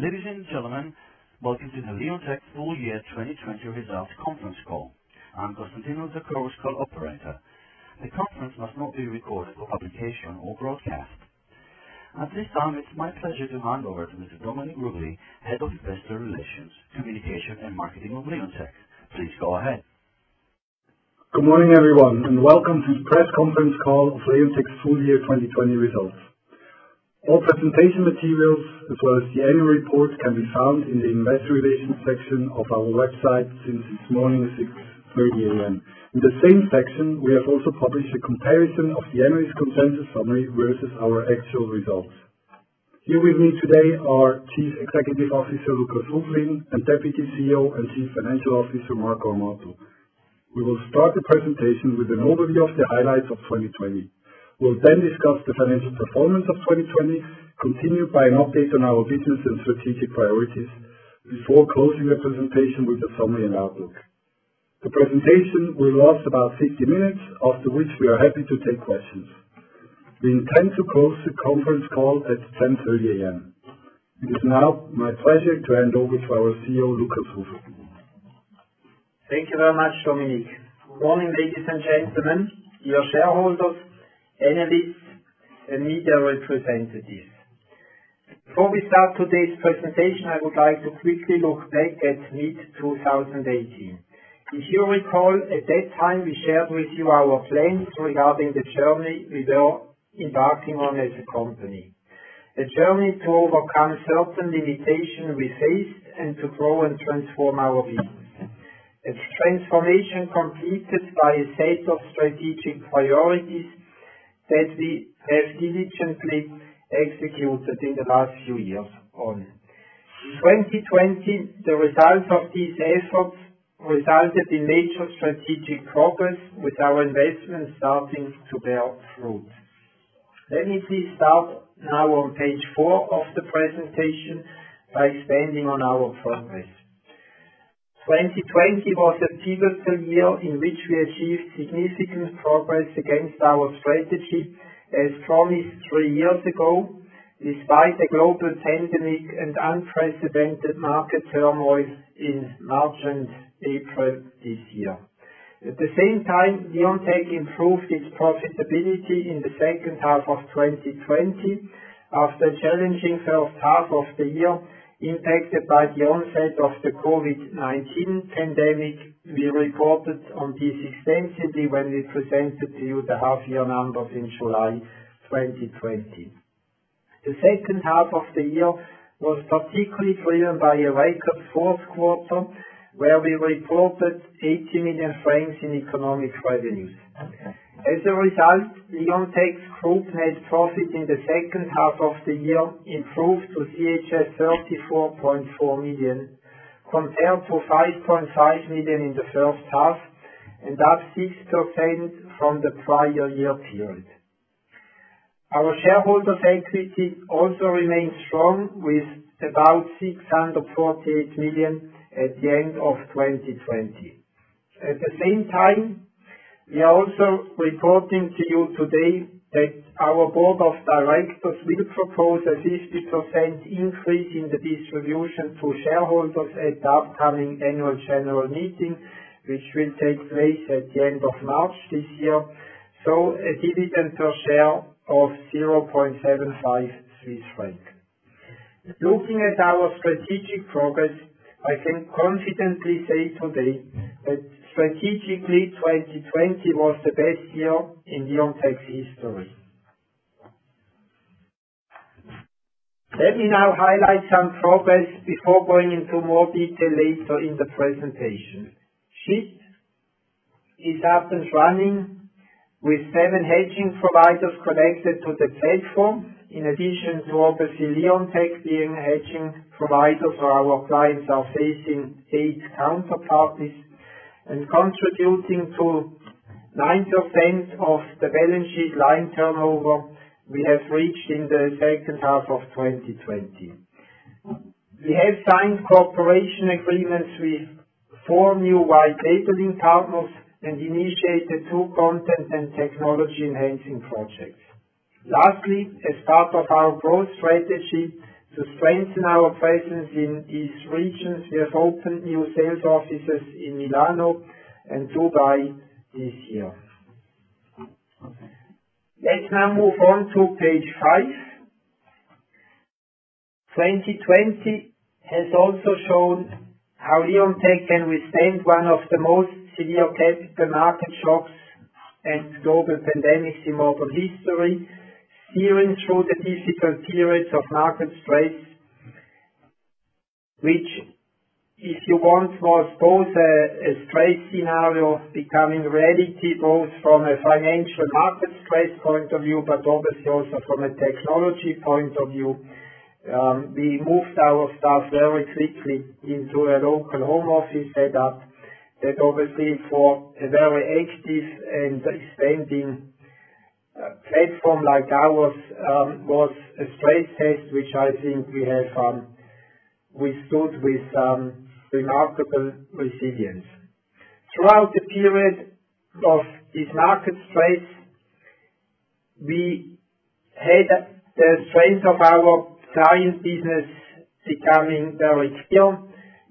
Ladies and gentlemen, welcome to the Leonteq Full Year 2020 Results conference call. I'm Constantino, the Conference Call Operator. The conference must not be recorded for publication or broadcast. At this time, it's my pleasure to hand over to Mr. Dominik Ruggli, Head of Investor Relations, Communications, and Marketing of Leonteq. Please go ahead. Good morning, everyone, welcome to the press conference call for Leonteq's Full Year 2020 Results. All presentation materials, as well as the annual report, can be found in the investor relations section of our website since this morning, 6:30 A.M. In the same section, we have also published a comparison of the analyst consensus summary versus our actual results. Here with me today are Chief Executive Officer, Lukas Ruflin, and Deputy Chief Executive Officer and Chief Financial Officer, Marco Amato. We will start the presentation with an overview of the highlights of 2020. We'll then discuss the financial performance of 2020, continued by an update on our business and strategic priorities, before closing the presentation with a summary and outlook. The presentation will last about 60 minutes, after which we are happy to take questions. We intend to close the conference call at 10:30 A.M. It is now my pleasure to hand over to our Chief Executive Officer, Lukas Ruflin. Thank you very much, Dominik. Good morning, ladies and gentlemen, dear shareholders, analysts, and media representatives. Before we start today's presentation, I would like to quickly look back at mid-2018. If you recall, at that time, we shared with you our plans regarding the journey we were embarking on as a company. A journey to overcome certain limitations we faced and to grow and transform our business. A transformation completed by a set of strategic priorities that we have diligently executed in the last few years on. In 2020, the results of these efforts resulted in major strategic progress, with our investments starting to bear fruit. Let me please start now on page four of the presentation by expanding on our progress. 2020 was a pivotal year in which we achieved significant progress against our strategy as promised three years ago, despite a global pandemic and unprecedented market turmoil in March and April this year. At the same time, Leonteq improved its profitability in the second half of 2020 after a challenging first half of the year impacted by the onset of the COVID-19 pandemic. We reported on this extensively when we presented to you the half-year numbers in July 2020. The second half of the year was particularly driven by a record fourth quarter, where we reported 80 million francs in economic revenues. As a result, Leonteq's group net profit in the second half of the year improved to 34.4 million, compared to 5.5 million in the first half, and up 6% from the prior year period. Our shareholders' equity also remains strong, with about 648 million at the end of 2020. At the same time, we are also reporting to you today that our board of directors will propose a 50% increase in the distribution to shareholders at the upcoming annual general meeting, which will take place at the end of March this year, so a dividend per share of 0.75 Swiss franc. Looking at our strategic progress, I can confidently say today that strategically, 2020 was the best year in Leonteq's history. Let me now highlight some progress before going into more detail later in the presentation. SHIP is up and running with seven hedging providers connected to the platform. In addition to obviously Leonteq being a hedging provider for our clients are facing eight counterparties and contributing to 9% of the balance sheet light turnover we have reached in the second half of 2020. We have signed cooperation agreements with four new white labeling partners and initiated two content and technology enhancing projects. Lastly, as part of our growth strategy to strengthen our presence in these regions, we have opened new sales offices in Milano and Dubai this year. Let's now move on to page five. 2020 has also shown how Leonteq can withstand one of the most severe capital market shocks and global pandemics in modern history, steering through the difficult periods of market stress, which, if you want, was both a stress scenario becoming reality, both from a financial market stress point of view, but obviously also from a technology point of view. We moved our staff very quickly into a local home office setup that obviously for a very active and expanding platform like ours, was a stress test, which I think we have withstood with remarkable resilience. Throughout the period of this market stress, we had the strength of our client business becoming very clear.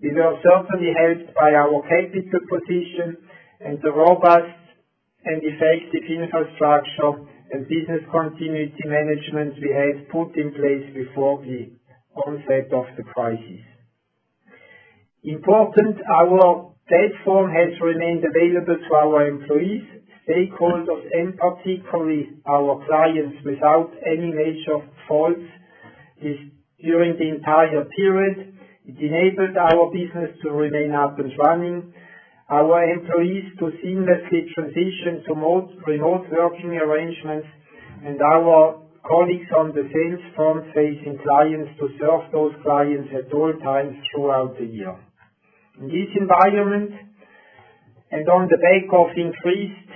We were certainly helped by our capital position and the robust and effective infrastructure and business continuity management we had put in place before the onset of the crisis. Important, our platform has remained available to our employees, stakeholders, and particularly our clients, without any major faults during the entire period. It enabled our business to remain up and running, our employees to seamlessly transition to remote working arrangements, and our colleagues on the sales front facing clients to serve those clients at all times throughout the year. In this environment, and on the back of increased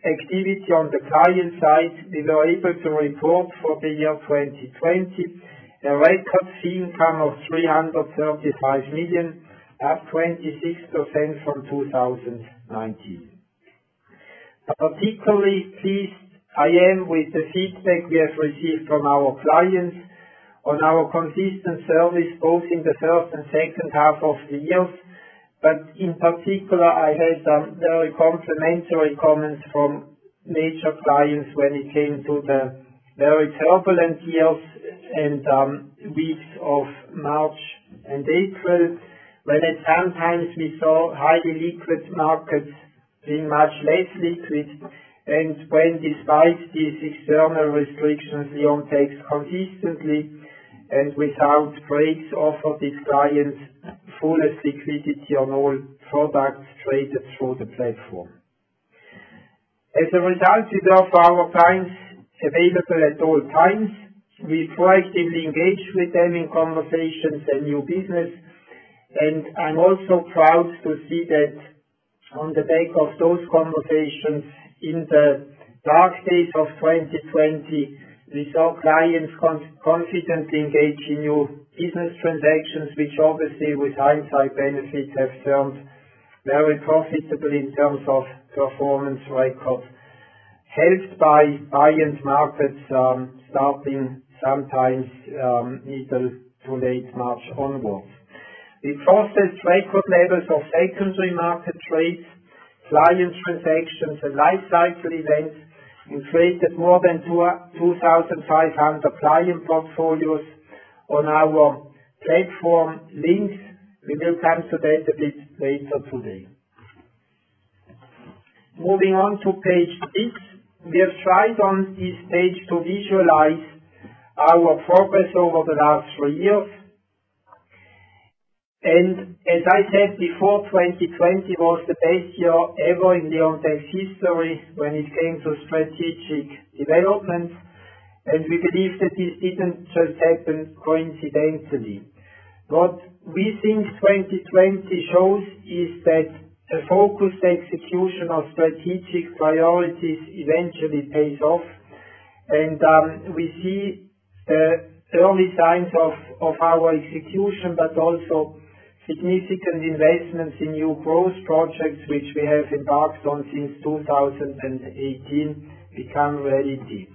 activity on the client side, we were able to report for the year 2020 a record fee income of 335 million, up 26% from 2019. Particularly pleased I am with the feedback we have received from our clients on our consistent service, both in the first and second half of the year. In particular, I had some very complimentary comments from major clients when it came to the very turbulent years and weeks of March and April, when at times we saw highly liquid markets being much less liquid, and when despite these external restrictions, Leonteq consistently and without breaks offered its clients fullest liquidity on all products traded through the platform. As a result, we have our clients available at all times, before i actively engage with any conversation of new business. I'm also proud to see that on the back of those conversations in the dark days of 2020, we saw clients confidently engage in new business transactions, which obviously with hindsight benefit have turned very profitable in terms of performance record, helped by clients markets starting sometimes middle to late March onwards. We processed record levels of secondary market trades, client transactions, and life cycle events. We traded more than 2,500 client portfolios on our platform, LYNQS. We will come to that a bit later today. Moving on to page six. As I said before, 2020 was the best year ever in Leonteq's history when it came to strategic developments. We believe that this didn't just happen coincidentally. What we think 2020 shows is that a focused execution of strategic priorities eventually pays off, and we see early signs of our execution, but also significant investments in new growth projects which we have embarked on since 2018 become reality.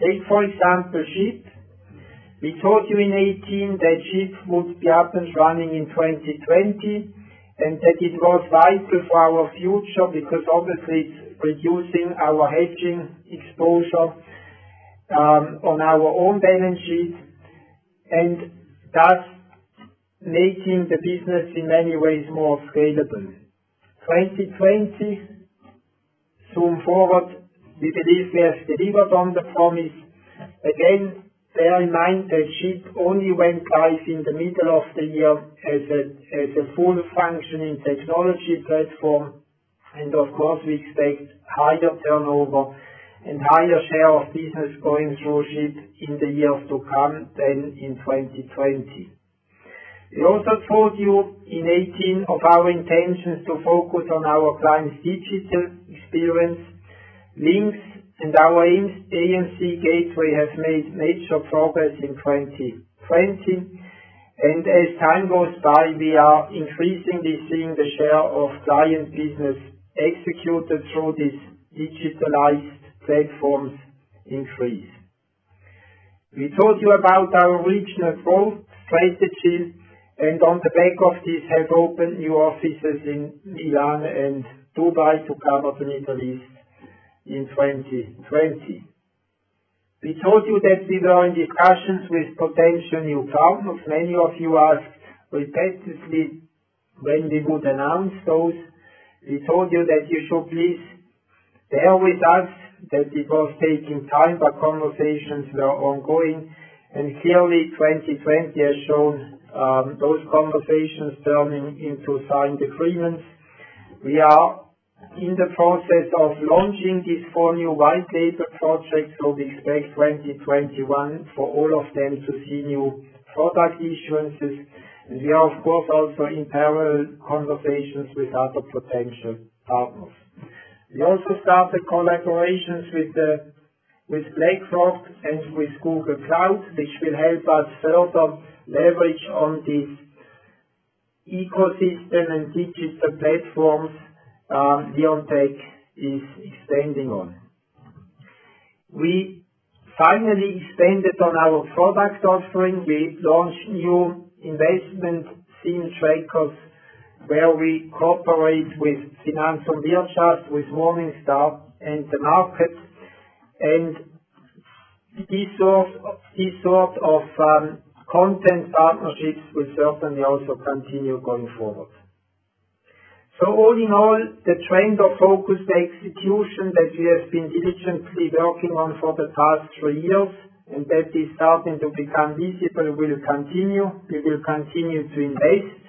Take, for example, SHIP. We told you in 2018 that SHIP would be up and running in 2020, and that it was vital for our future because obviously it's reducing our hedging exposure on our own balance sheet, and thus making the business in many ways more scalable. 2020, soon forward, we believe we have delivered on the promise. Again, bear in mind that SHIP only went live in the middle of the year as a full functioning technology platform, and of course, we expect higher turnover and higher share of business going through SHIP in the years to come than in 2020. We also told you in 2018 of our intentions to focus on our clients' digital experience. LYNQS and our AMC Gateway have made major progress in 2020, and as time goes by, we are increasingly seeing the share of client business executed through these digitalized platforms increase. We told you about our regional growth strategy, and on the back of this have opened new offices in Milan and Dubai to cover the Middle East in 2020. We told you that we were in discussions with potential new partners. Many of you asked repetitively when we would announce those. We told you that you should please bear with us, that it was taking time, but conversations were ongoing, and clearly 2020 has shown those conversations turning into signed agreements. We are in the process of launching these four new white label projects, so we expect 2021 for all of them to see new product issuances. We are, of course, also in parallel conversations with other potential partners. We also started collaborations with BlackRock and with Google Cloud, which will help us further leverage on the ecosystem and digital platforms Leonteq is expanding on. We finally expanded on our product offering. We launched new investment theme trackers, where we cooperate with Morningstar and Derivative Partners, and these sort of content partnerships will certainly also continue going forward. All in all, the trend of focused execution that we have been diligently working on for the past three years, and that is starting to become visible will continue. We will continue to invest,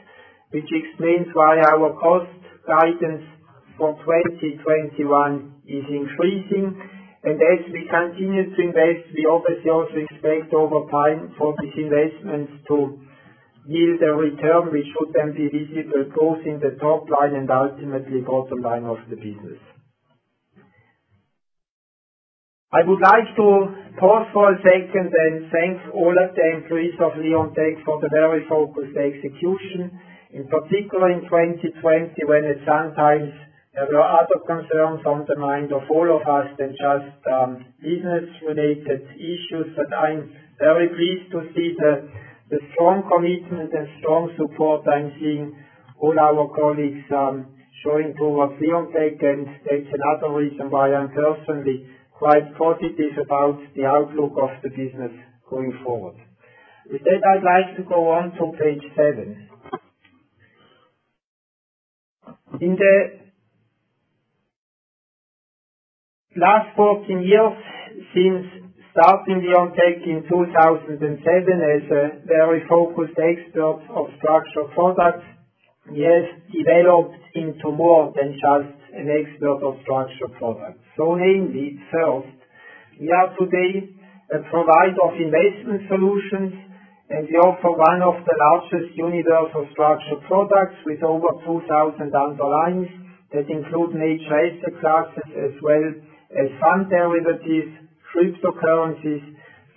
which explains why our cost guidance for 2021 is increasing. As we continue to invest, we obviously also expect over time for these investments to yield a return, which should then be visible both in the top line and ultimately bottom line of the business. I would like to pause for a second and thank all of the employees of Leonteq for the very focused execution. In particular, in 2020, when at some times there were other concerns on the mind of all of us than just business-related issues. I'm very pleased to see the strong commitment and strong support I'm seeing all our colleagues showing towards Leonteq, and that's another reason why I'm personally quite positive about the outlook of the business going forward. With that, I'd like to go on to page seven. In the last 14 years since starting Leonteq in 2007 as a very focused expert of structured products, we have developed into more than just an expert of structured products. Namely, first, we are today a provider of investment solutions, and we offer one of the largest universe of structured products with over 2,000 underlyings that include major asset classes as well as fund derivatives, cryptocurrencies,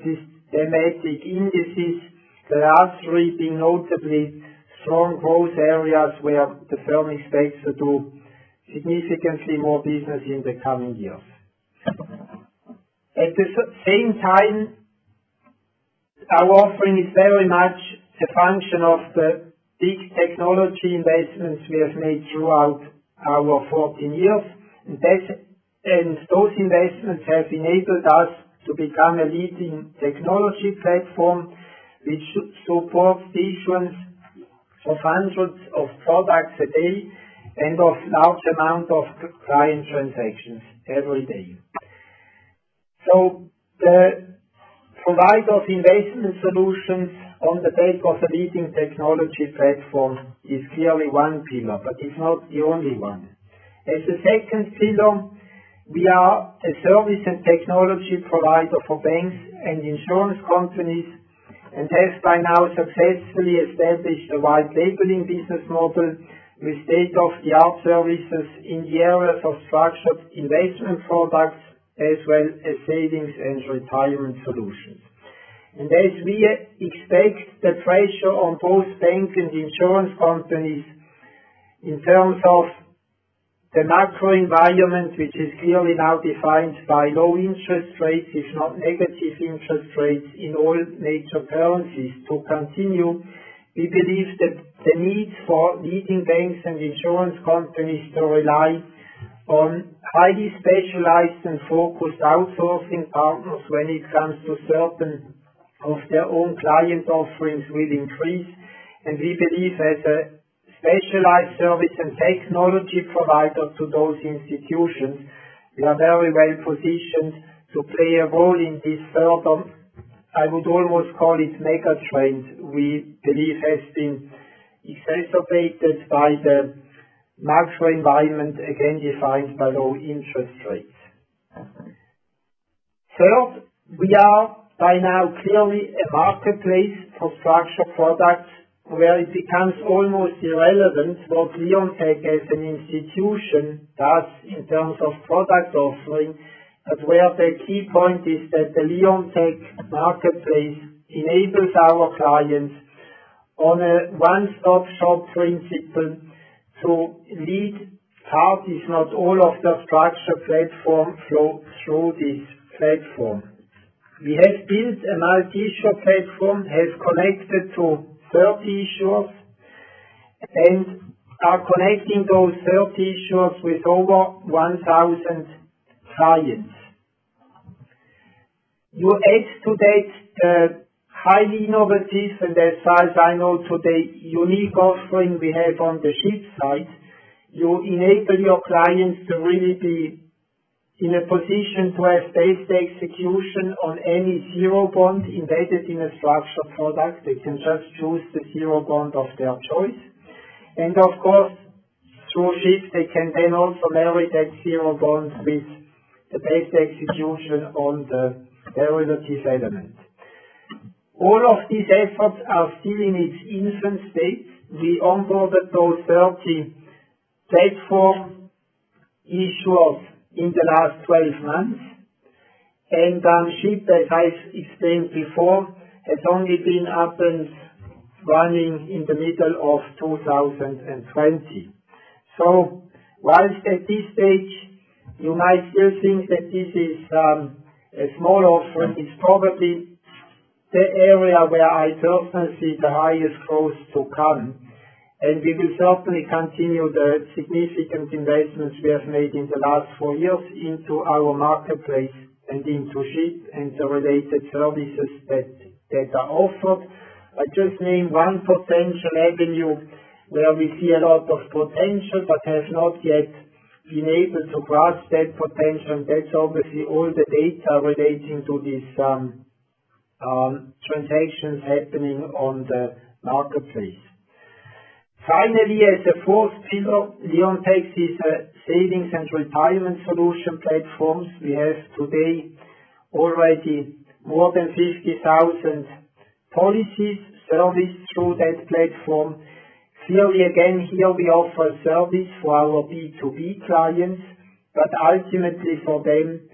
systematic indices. The last three being notably strong growth areas where the firm expects to do significantly more business in the coming years. At the same time, our offering is very much a function of the big technology investments we have made throughout our 14 years. Those investments have enabled us to become a leading technology platform, which should support issuance for hundreds of products a day and of large amount of client transactions every day. The provider of investment solutions on the back of a leading technology platform is clearly one pillar, but it's not the only one. As a second pillar, we are a service and technology provider for banks and insurance companies, and have by now successfully established a white labeling business model with state-of-the-art services in the areas of structured investment products as well as savings and retirement solutions. As we expect the pressure on both banks and insurance companies in terms of the macro environment, which is clearly now defined by low interest rates, if not negative interest rates in all major currencies to continue, we believe that the need for leading banks and insurance companies to rely on highly specialized and focused outsourcing partners when it comes to certain of their own client offerings will increase. We believe as a specialized service and technology provider to those institutions, we are very well-positioned to play a role in this further, I would almost call it megatrend, we believe has been exacerbated by the macro environment, again, defined by low interest rates. Third, we are by now clearly a marketplace for structured products where it becomes almost irrelevant what Leonteq as an institution does in terms of product offering. Where the key point is that the Leonteq marketplace enables our clients on a one-stop-shop principle to lead part, if not all of the structured platform flow through this platform. We have built a multi-issue platform, has connected to 30 issuers, and are connecting those 30 issuers with over 1,000 clients. You add to that highly innovative, and as far as I know today, unique offering we have on the SHIP side. You enable your clients to really be in a position to have basic execution on any zero bond embedded in a structured product. They can just choose the zero bond of their choice. Of course, through SHIP, they can then also marry that zero bond with a basic execution on the derivative element. All of these efforts are still in its infant state. We onboarded those 30 platform issuers in the last 12 months. SHIP, as I explained before, has only been up and running in the middle of 2020. Whilst at this stage you might still think that this is a small offering, it's probably the area where I personally see the highest growth to come, and we will certainly continue the significant investments we have made in the last four years into our marketplace and into SHIP and the related services that are offered. I just named one potential avenue where we see a lot of potential but have not yet been able to grasp that potential, and that's obviously all the data relating to these transactions happening on the marketplace. As a fourth pillar, Leonteq is a savings and retirement solution platform. We have today already more than 50,000 policies serviced through that platform. Clearly, again, here we offer a service for our B2B clients, but ultimately for them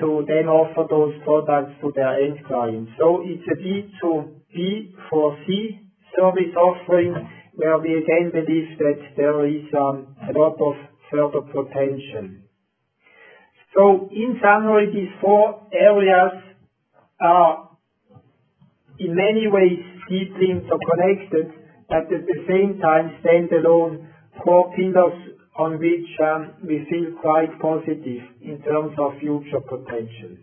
to then offer those products to their end clients. It's a B2B2C service offering where we identify that there is a lot of further potential. In summary, these four areas are in many ways deeply interconnected, but at the same time, standalone four pillars on which we feel quite positive in terms of future potential.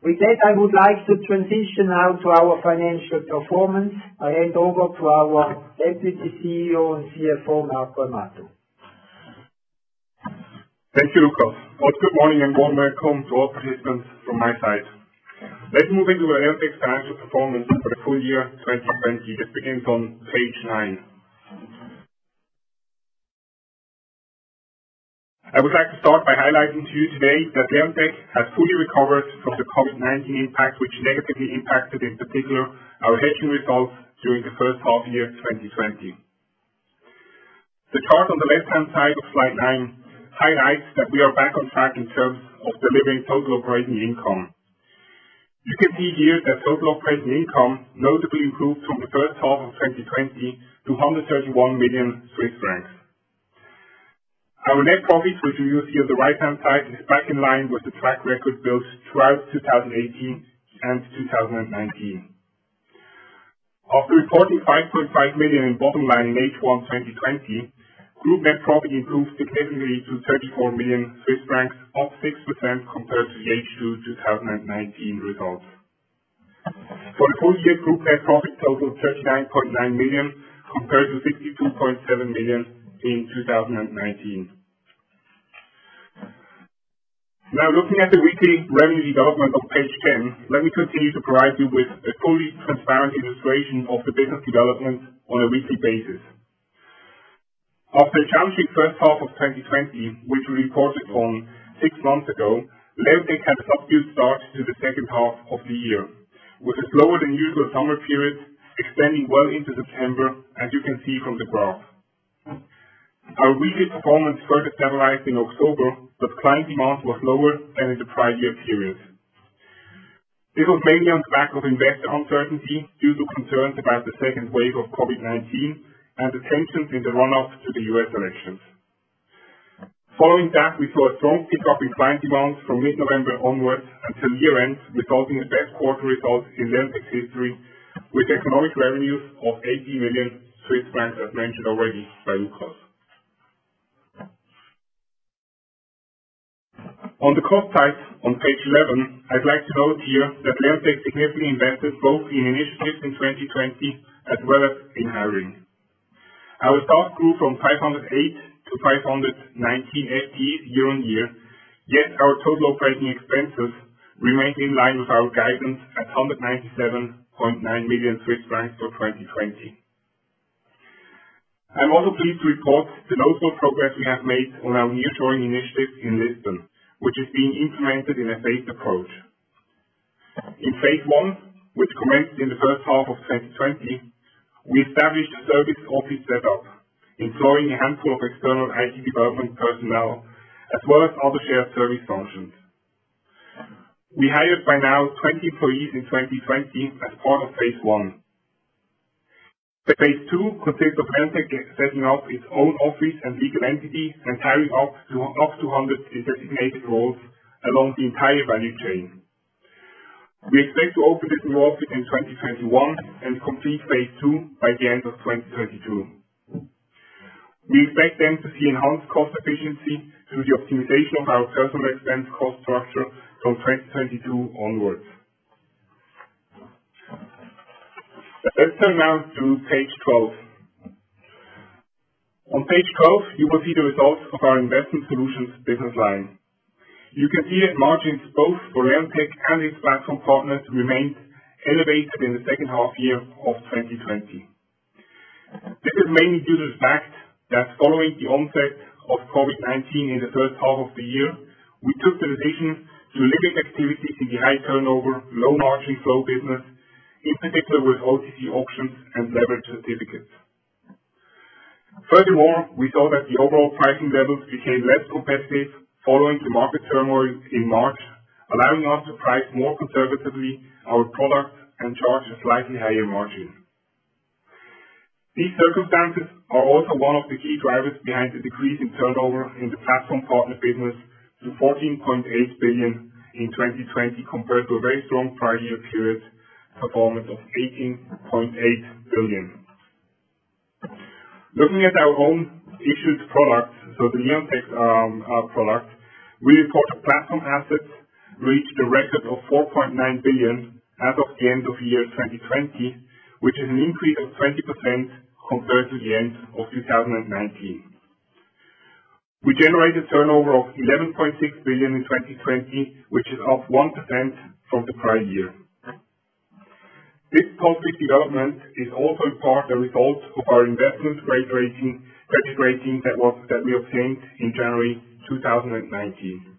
With that, I would like to transition now to our financial performance. I hand over to our Deputy Chief Executive Officer and Chief Financial Officer, Marco Amato. Thank you, Lukas. Good morning and warm welcome to all participants from my side. Let's move into the Leonteq financial performance for the full year 2020. This begins on page nine. I would like to start by highlighting to you today that Leonteq has fully recovered from the COVID-19 impact, which negatively impacted, in particular, our hedging results during the first half year 2020. The chart on the left-hand side of slide nine highlights that we are back on track in terms of delivering total operating income. You can see here that total operating income notably improved from the first half of 2020 to 131 million Swiss francs. Our net profit, which you see on the right-hand side, is back in line with the track record built throughout 2018 and 2019. After reporting 5.5 million in bottom line in H1 2020, group net profit improved significantly to 34 million Swiss francs, up 6% compared to the H2 2019 results. For the full year, group net profit totaled 39.9 million, compared to 62.7 million in 2019. Looking at the weekly revenue development on page 10, let me continue to provide you with a fully transparent illustration of the business development on a weekly basis. After a challenging first half of 2020, which we reported on six months ago, Leonteq had a subdued start to the second half of the year, with a slower-than-usual summer period extending well into September, as you can see from the graph. Our weekly performance further stabilized in October, client demand was lower than in the prior year period. This was mainly on the back of investor uncertainty due to concerns about the second wave of COVID-19 and the tensions in the runoff to the U.S. elections. Following that, we saw a strong pickup in client demand from mid-November onwards until year-end, resulting in the best quarter results in Leonteq's history, with economic revenues of 80 million Swiss francs, as mentioned already by Lukas. On the cost side on page 11, I'd like to note here that Leonteq significantly invested both in initiatives in 2020 as well as in hiring. Our staff grew from 508 to 519 FTEs year on year, yet our total operating expenses remained in line with our guidance at 197.9 million Swiss francs for 2020. I'm also pleased to report the notable progress we have made on our nearshoring initiative in Lisbon, which is being implemented in a phased approach. In phase I, which commenced in the first half of 2020, we established a service office set up, employing a handful of external IT development personnel as well as other shared service functions. We hired by now 20 employees in 2020 as part of phase I. The phase II consists of Leonteq setting up its own office and legal entity and hiring up to 200 designated roles along the entire value chain. We expect to open this new office in 2021 and complete phase II by the end of 2022. We expect to see enhanced cost efficiency through the optimization of our personnel expense cost structure from 2022 onwards. Let's turn now to page 12. On page 12, you will see the results of our investment solutions business line. You can see that margins both for Leonteq and its platform partners remained elevated in the second half year of 2020. This is mainly due to the fact that following the onset of COVID-19 in the first half of the year, we took the decision to limit activities in the high turnover, low margin flow business, in particular with OTC options and leverage certificates. Furthermore, we saw that the overall pricing levels became less competitive following market turmoil in March, allowing us to price more conservatively our product and charge a slightly higher margin. These circumstances are also one of the key drivers behind the decrease in turnover in the platform partner business to 14.8 billion in 2020, compared to a very strong prior year period performance of 18.8 billion. Looking at our own issued product, so the Leonteq product, we report platform assets reached a record of 4.9 billion as of the end of year 2020, which is an increase of 20% compared to the end of 2019. We generated turnover of 11.6 billion in 2020, which is up 1% from the prior year. This positive development is also in part a result of our investment-grade rating that we obtained in January 2019.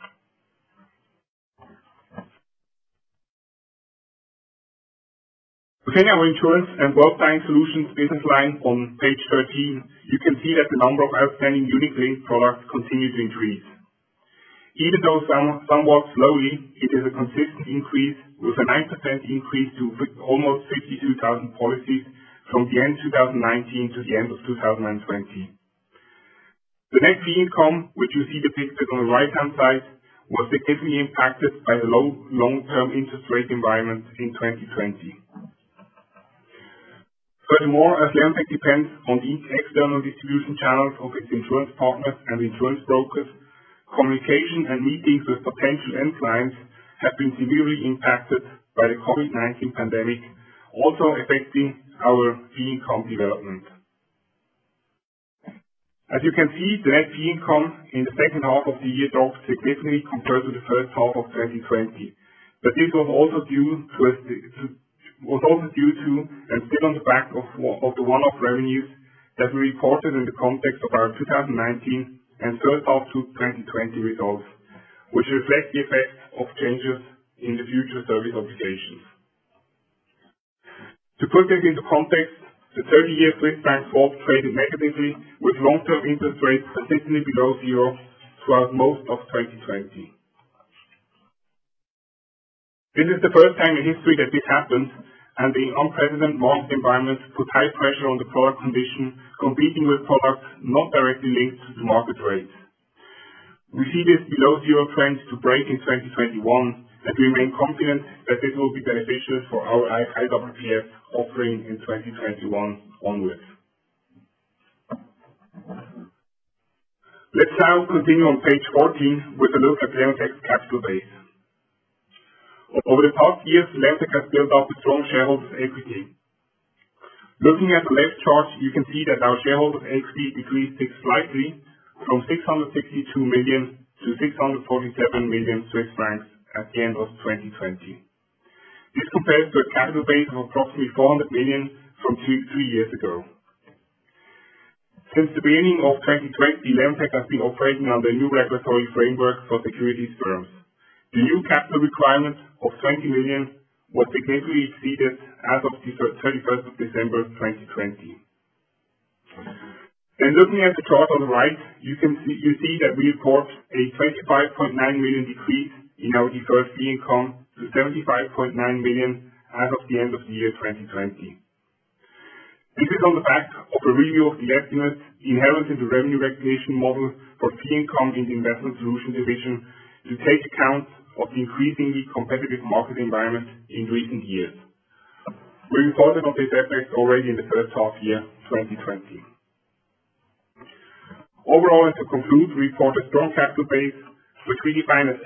Looking at our Insurance & Wealth Planning Solutions business line on page 13, you can see that the number of outstanding unit-linked products continues to increase. Even though somewhat slowly, it is a consistent increase with a 9% increase to almost 52,000 policies from the end of 2019 to the end of 2020. The net fee income, which you see depicted on the right-hand side, was significantly impacted by the low long-term interest rate environment in 2020. Furthermore, as Leonteq depends on the external distribution channels of its insurance partners and insurance brokers, communication and meetings with potential end clients have been severely impacted by the COVID-19 pandemic, also affecting our fee income development. As you can see, the net fee income in the second half of the year dropped significantly compared to the first half of 2020. This was also due to, and built on the back of the one-off revenues that we reported in the context of our 2019 and first half 2020 results, which reflect the effect of changes in the future service obligations. To put this into context, the 30-year Swiss franc swap traded negatively, with long-term interest rates consistently below zero throughout most of 2020. This is the first time in history that this happened. The unprecedented market environment put high pressure on the product condition, competing with products not directly linked to market rate. We see this below zero trend to break in 2021. We remain confident that this will be beneficial for our IWPS offering in 2021 onwards. Let's now continue on page 14 with a look at Leonteq's capital base. Over the past years, Leonteq has built up a strong shareholder equity. Looking at the left chart, you can see that our shareholder equity decreased slightly from 662 million-647 million Swiss francs at the end of 2020. This compares to a capital base of approximately 400 million from two years ago. Since the beginning of 2020, Leonteq has been operating under a new regulatory framework for securities firms. The new capital requirement of 20 million was significantly exceeded as of the 31st of December 2020. Looking at the chart on the right, you see that we report a 25.9 million decrease in our deferred fee income to 75.9 million as of the end of the year 2020. This is on the back of a review of the estimate inherent in the revenue recognition model for fee income in the investment solution division to take account of the increasingly competitive market environment in recent years. We reported on this effect already in the first half year 2020. Overall, to conclude, we report a strong capital base, with defined as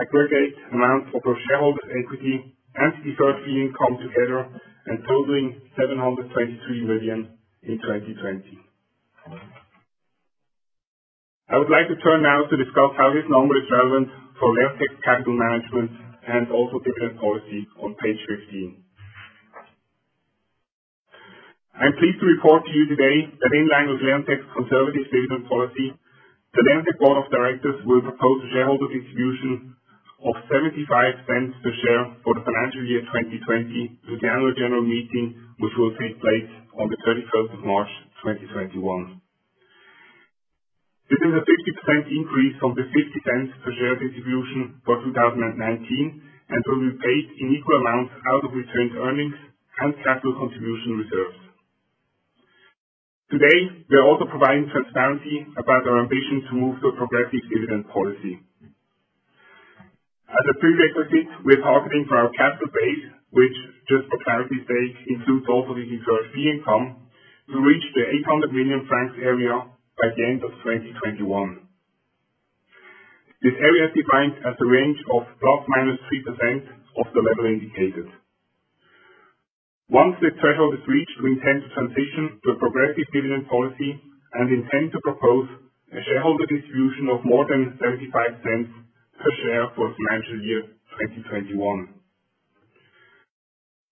aggregate amounts of our shareholder equity and deferred fee income together and totaling 723 million in 2020. I would like to turn now to discuss how this normally drives for Leonteq capital management and also dividend policy on page 15. I'm pleased to report to you today that in line with Leonteq's conservative dividend policy, the Leonteq board of directors will propose a shareholder distribution of 0.75 per share for the financial year 2020 with the annual general meeting, which will take place on the 31st of March 2021. This is a 50% increase from the 0.50 per share distribution for 2019, and will be paid in equal amounts out of retained earnings and capital contribution reserves. Today, we are also providing transparency about our ambition to move to a progressive dividend policy. As a prerequisite, we're targeting for our capital base, which just for clarity's sake, includes also the deferred fee income, to reach the 800 million francs area by the end of 2021. This area is defined as a range of ±3% of the level indicated. Once the threshold is reached, we intend to transition to a progressive dividend policy and intend to propose a shareholder distribution of more than 0.75 per share for financial year 2021.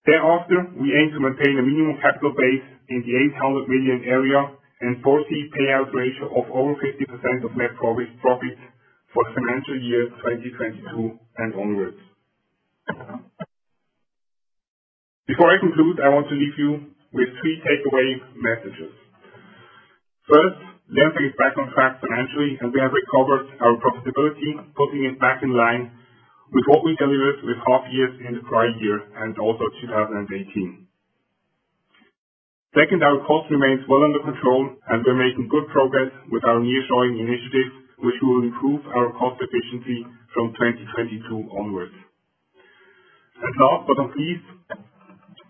Thereafter, we aim to maintain a minimum capital base in the 800 million area and foresee payout ratio of over 50% of net profit for the financial year 2022 and onwards. Before I conclude, I want to leave you with three takeaway messages. First, Leonteq is back on track financially, and we have recovered our profitability, putting it back in line with what we delivered with half year in the prior year and also 2018. Second, our cost remains well under control, and we're making good progress with our nearshoring initiatives, which will improve our cost efficiency from 2022 onwards. Last but not least,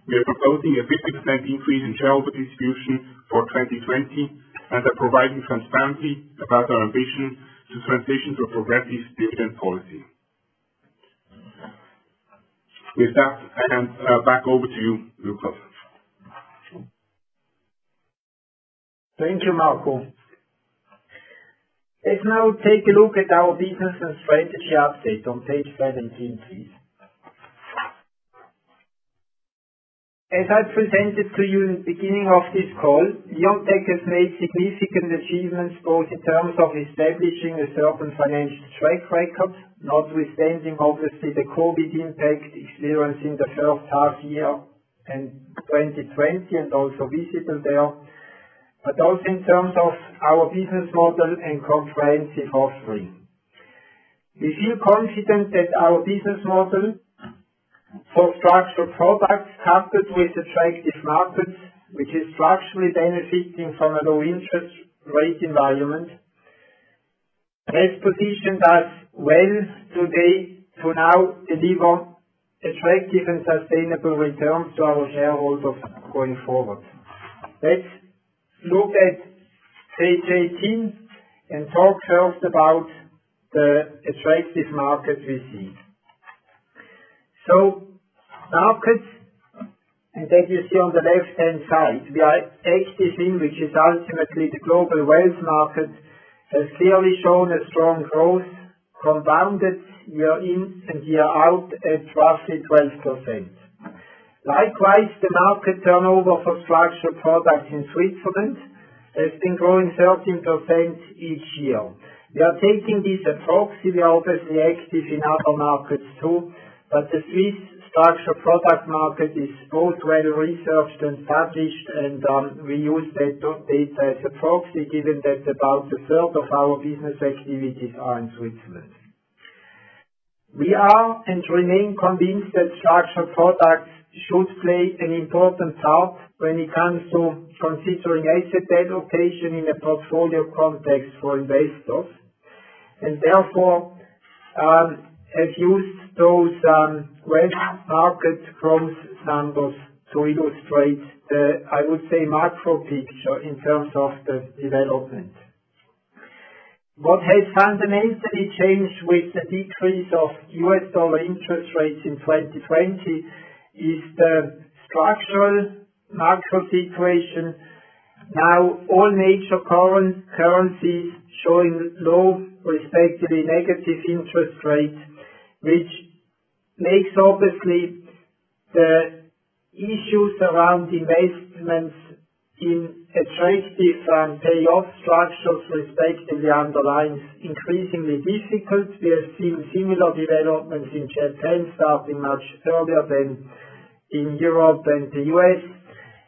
we are proposing a 50% increase in shareholder distribution for 2020 and are providing transparency about our ambition to transition to a progressive dividend policy. With that, I hand back over to you, Lukas. Thank you, Marco. Let's now take a look at our business and strategy update on page 17, please. As I presented to you in the beginning of this call, Leonteq has made significant achievements, both in terms of establishing a certain financial track record, notwithstanding, obviously, the COVID impact experienced in the first half year in 2020 and also visible there, but also in terms of our business model and comprehensive offering. We feel confident that our business model for structured products, coupled with attractive markets, which is structurally benefiting from a low interest rate environment, has positioned us well today to now deliver attractive and sustainable returns to our shareholders going forward. Let's look at page 18 and talk first about the attractive market we see. Markets, and as you see on the left-hand side, we are active in, which is ultimately the global wealth market, has clearly shown a strong growth compounded year in and year out at roughly 12%. Likewise, The Market turnover for structured products in Switzerland has been growing 13% each year. We are taking this proxy. We are obviously active in other markets too, but the Swiss structured product market is both well-researched and published, and we use that data as a proxy, given that about a third of our business activities are in Switzerland. We are, and remain convinced that structured products should play an important part when it comes to considering asset allocation in a portfolio context for investors, and therefore, have used those wealth market growth numbers to illustrate the, I would say, macro picture in terms of the development. What has fundamentally changed with the decrease of U.S. dollar interest rates in 2020 is the structural macro situation. All major current currencies showing low, respectively negative interest rates, which makes, obviously, the issues around investments in attractive and payoff structures, respectively, underlines increasingly difficult. We have seen similar developments in Japan starting much earlier than in Europe and the U.S.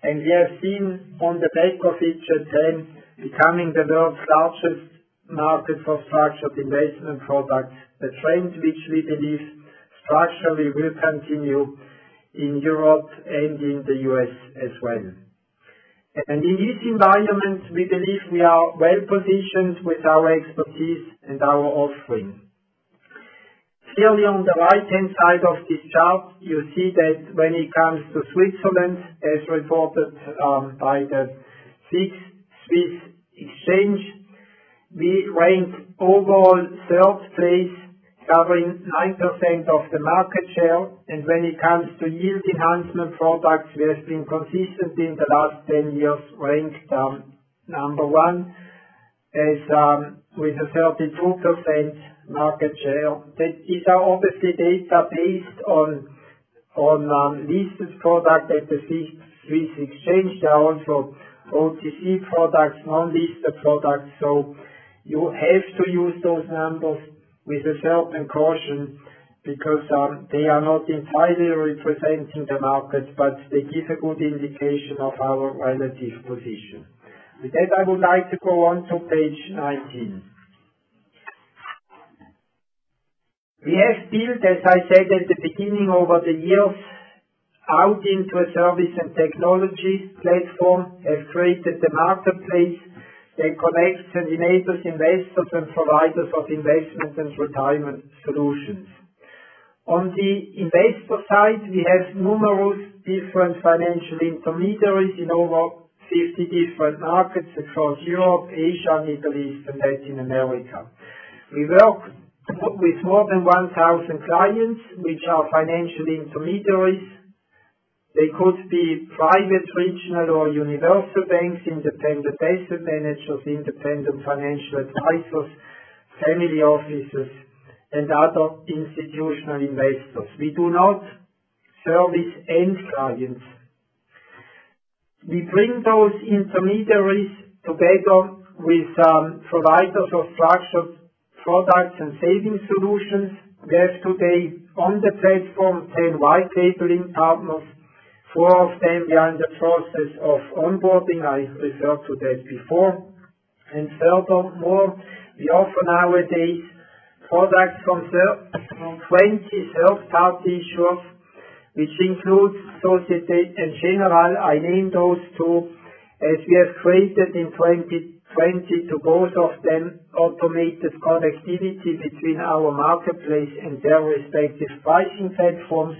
We have seen on the back of it, Japan becoming the world's largest market for structured investment products, a trend which we believe structurally will continue in Europe and in the U.S. as well. In this environment, we believe we are well-positioned with our expertise and our offering. Clearly, on the right-hand side of this chart, you see that when it comes to Switzerland, as reported by the SIX Swiss Exchange, we ranked overall third place, covering 9% of the market share. When it comes to yield enhancement products, we have been consistent in the last 10 years, ranked number one, with a 32% market share. These are obviously data based on listed products at the SIX Swiss Exchange. There are also OTC products, non-listed products. You have to use those numbers with a certain caution because they are not entirely representing the market, but they give a good indication of our relative position. With that, I would like to go on to page 19. We have built, as I said at the beginning, over the years, out into a service and technology platform, have created a marketplace that connects and enables investors and providers of investment and retirement solutions. On the investor side, we have numerous different financial intermediaries in over 50 different markets across Europe, Asia, Middle East, and Latin America. We work with more than 1,000 clients, which are financial intermediaries. They could be private, regional, or universal banks, independent asset managers, independent financial advisors, family offices, and other institutional investors. We do not service end clients. We bring those intermediaries together with providers of structured products and savings solutions. There's today, on the platform, 10 white labeling partners, four of them are in the process of onboarding. I referred to that before. Furthermore, we offer nowadays products from 20 third-party issuers, which includes Societe Generale. I name those two as we have created in 2020 to both of them, automated connectivity between our marketplace and their respective pricing platforms.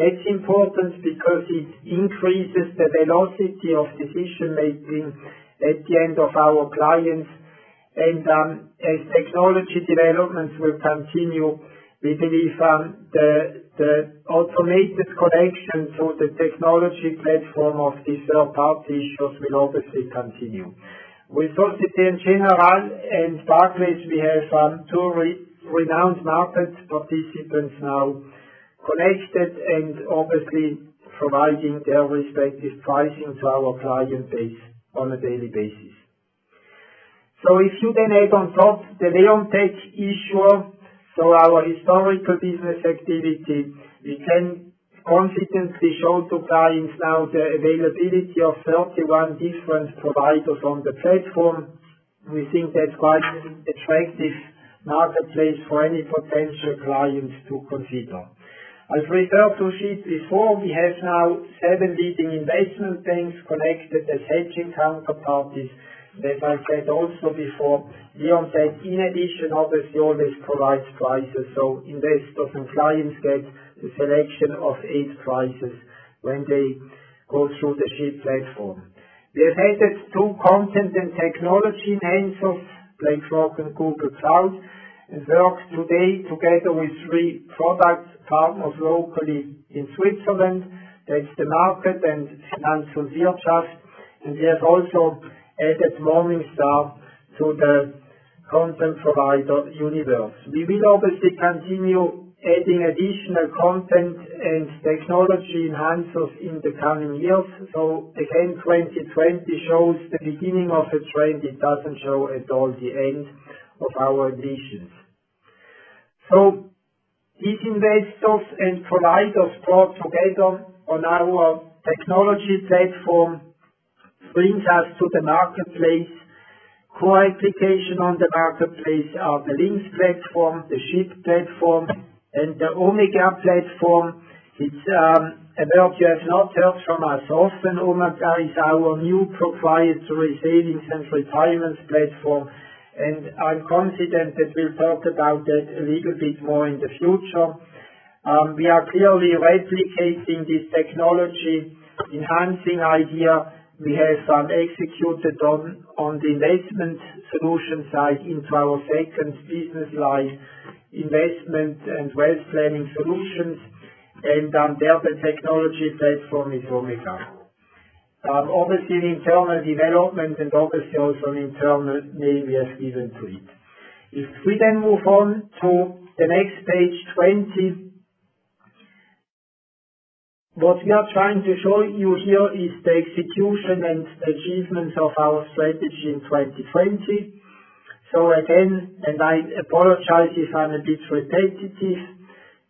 That's important because it increases the velocity of decision-making at the end of our clients. As technology developments will continue, we believe the automated connection to the technology platform of these third-party issuers will obviously continue. With Societe Generale and Barclays, we have two renowned market participants now connected, obviously providing their respective pricing to our client base on a daily basis. If you then add on top the Leonteq issuer, our historical business activity, we can confidently show to clients now the availability of 31 different providers on the platform. We think that's quite an attractive marketplace for any potential client to consider. As referred to SHIP before, we have now seven leading investment banks connected as hedging counter-parties. As I said also before, Leonteq, in addition, obviously always provides prices, investors and clients get the selection of eight prices when they go through the SHIP platform. We have added two content and technology enhancers, BlackRock and Google Cloud, works today together with three product partners locally in Switzerland. There is the market, and Finanz und Wirtschaft, and we have also added Morningstar to the content provider universe. We will obviously continue adding additional content and technology enhancers in the coming years. Again, 2020 shows the beginning of a trend. It doesn't show at all the end of our missions. If investors and providers brought together on our technology platform brings us to the marketplace. Core application on the marketplace are the LYNQS platform, the SHIP platform, and the Omega platform, which I believe you have not heard from us. Often, Omega is our new proprietary savings and retirement platform, and I'm confident that we'll talk about that a little bit more in the future. We are clearly replicating this technology-enhancing idea we have executed on the investment solution side into our second business line, Insurance & Wealth Planning Solutions. Their technology platform is Omega. Obviously, an internal development and obviously also an internal name we have given to it. We then move on to the next page, 20. What we are trying to show you here is the execution and achievements of our strategy in 2020. Again, and I apologize if I'm a bit repetitive,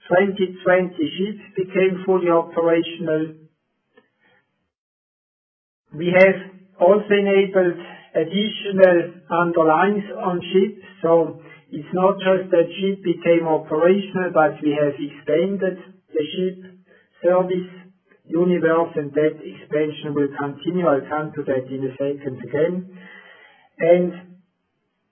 2020, SHIP became fully operational. We have also enabled additional underlyings on SHIP. It's not just that SHIP became operational, but we have expanded the SHIP service universe, and that expansion will continue. I'll come to that in a second again.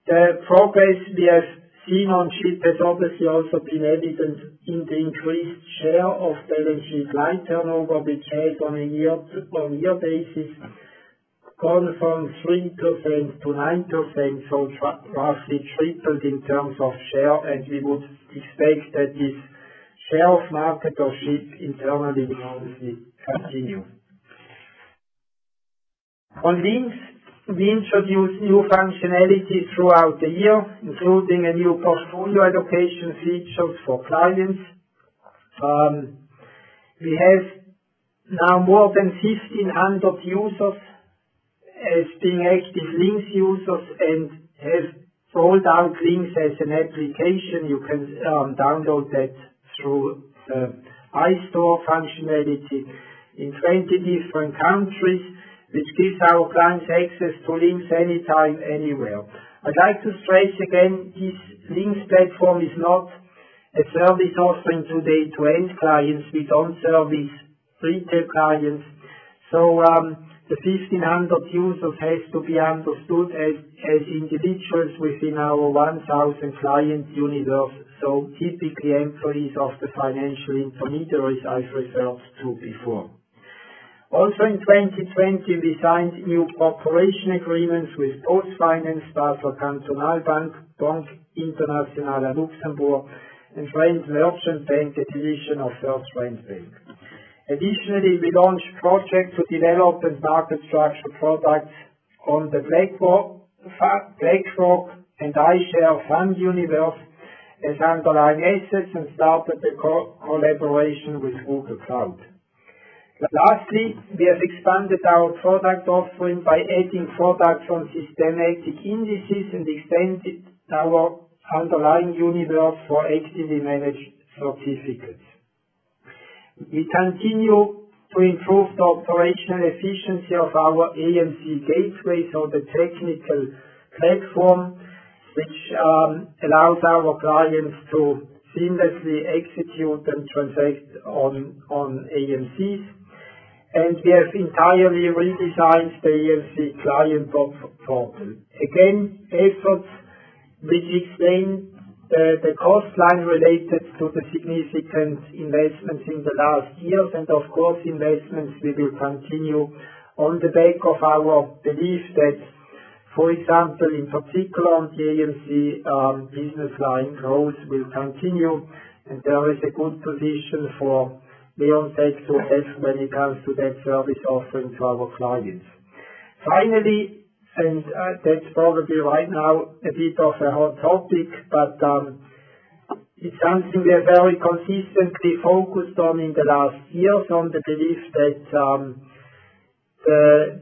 The progress we have seen on SHIP has obviously also been evident in the increased share of the SHIP line turnover, which has on a year-on-year basis gone from 3%-9%, so roughly tripled in terms of share, and we would expect that this share of market of SHIP internally will obviously continue. On LYNQS, we introduced new functionality throughout the year, including a new portfolio allocation feature for clients. We have now more than 1,500 users as being active LYNQS users and have rolled out LYNQS as an application. You can download that through App Store functionality in 20 different countries, which gives our clients access to LYNQS anytime, anywhere. I'd like to stress again, this LYNQS platform is not a service offering today to end clients. We don't service retail clients. The 1,500 users has to be understood as individuals within our 1,000 client universe, so typically employees of the financial intermediaries I referred to before. In 2020, we signed new cooperation agreements with PostFinance, Basler Kantonalbank, Banque Internationale à Luxembourg, and Rheinland-Pfalz Bank, a division of Südwestbank. Additionally, we launched projects to develop and market structured products on the BlackRock and iShares fund universe as underlying assets and started the collaboration with Google Cloud. Lastly, we have expanded our product offering by adding products on systematic indices and extended our underlying universe for actively managed certificates. We continue to improve the operational efficiency of our AMC Gateway. The technical platform, which allows our clients to seamlessly execute and transact on AMCs, and we have entirely redesigned the AMC client portal. Again, efforts which explain the cost line related to the significant investments in the last years, of course, investments we will continue on the back of our belief that, for example, in particular on the AMC business line growth will continue, and there is a good position for Leonteq to have when it comes to that service offering to our clients. Finally, that's probably right now a bit of a hot topic, but it's something we are very consistently focused on in the last years on the belief that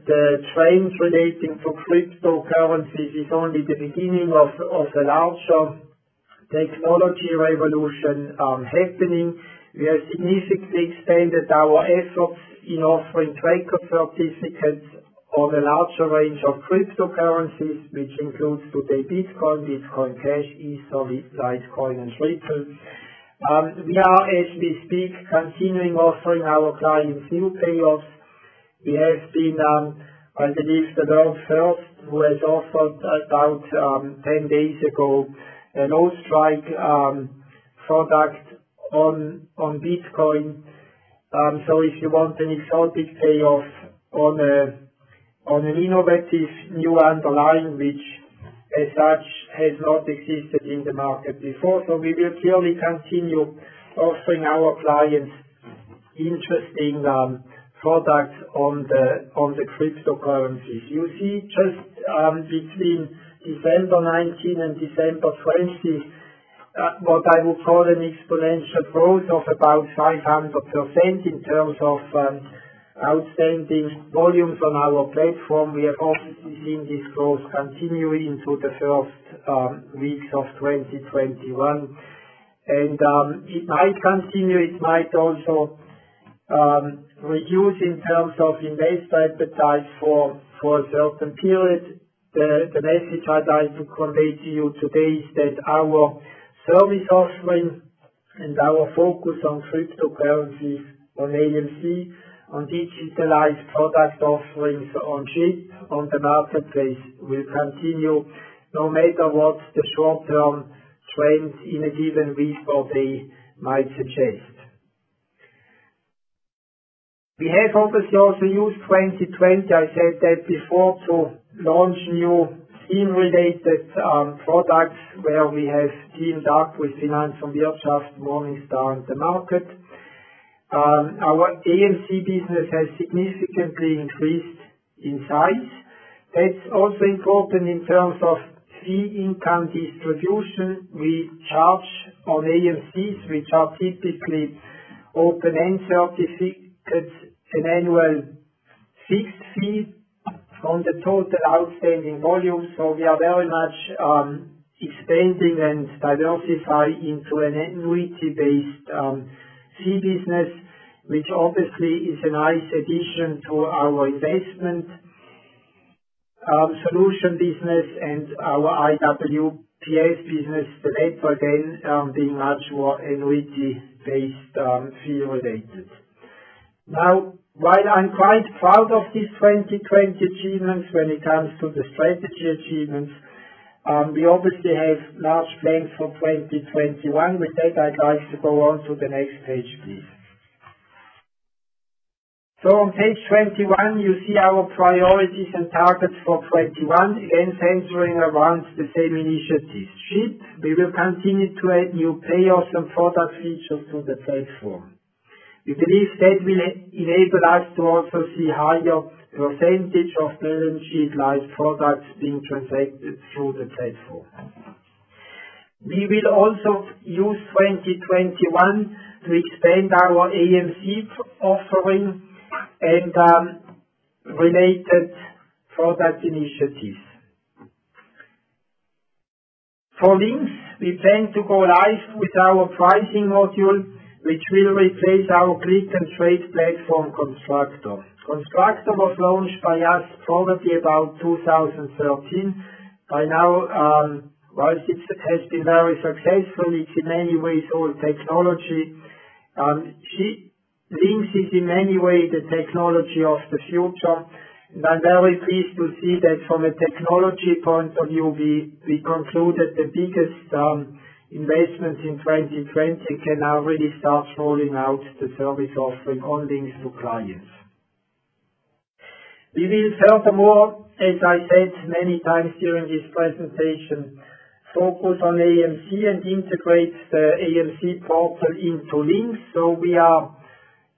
the trends relating to cryptocurrencies is only the beginning of a larger technology revolution happening. We have significantly expanded our efforts in offering tracker certificates on a larger range of cryptocurrencies, which includes today Bitcoin Cash, Ether, Litecoin, and Ripple. We are, as we speak, continuing offering our clients new payoffs. We have been, I believe, the world's first who has offered about 10 days ago, an autocall strike product on Bitcoin. If you want an exotic payoff on an innovative new underlying, which as such has not existed in the market before. We will clearly continue offering our clients interesting products on the cryptocurrencies. You see just between December 2019 and December 2020, what I would call an exponential growth of about 500% in terms of outstanding volumes on our platform. We are obviously seeing this growth continuing into the first weeks of 2021. It might continue, it might also reduce in terms of investor appetite for a certain period. The message I'd like to convey to you today is that our service offering and our focus on cryptocurrencies on AMC, on digitalized product offerings on SHIP, on the marketplace will continue no matter what the short-term trends in a given week or day might suggest. We have obviously also used 2020, I said that before, to launch new theme-related products where we have teamed up with Finanz und Wirtschaft, Morningstar, and the market. Our AMC business has significantly increased in size. That's also important in terms of fee income distribution we charge on AMCs, which are typically open-end certificates, an annual fixed fee on the total outstanding volume. We are very much expanding and diversify into an annuity-based fee business, which obviously is a nice addition to our investment solution business and our IWPS business, the latter then being much more annuity-based, fee related. While I'm quite proud of these 2020 achievements when it comes to the strategy achievements, we obviously have large plans for 2021. With that, I'd like to go on to the next page, please. On page 21, you see our priorities and targets for 2021, again, centering around the same initiatives. SHIP, we will continue to add new payoffs and product features to the platform. We believe that will enable us to also see higher percentage of balance sheet light products being transacted through the platform. We will also use 2021 to extend our AMC offering and related product initiatives. For LYNQS, we plan to go live with our pricing module, which will replace our click and trade platform Constructor. Constructor was launched by us probably about 2013. By now, while it has been very successful, it's in many ways old technology. LYNQS is in many way the technology of the future, and I'm very pleased to see that from a technology point of view, we concluded the biggest investments in 2020, can now really start rolling out the service offering according to clients. We will furthermore, as I said many times during this presentation, focus on AMC and integrate the AMC portal into LYNQS. We are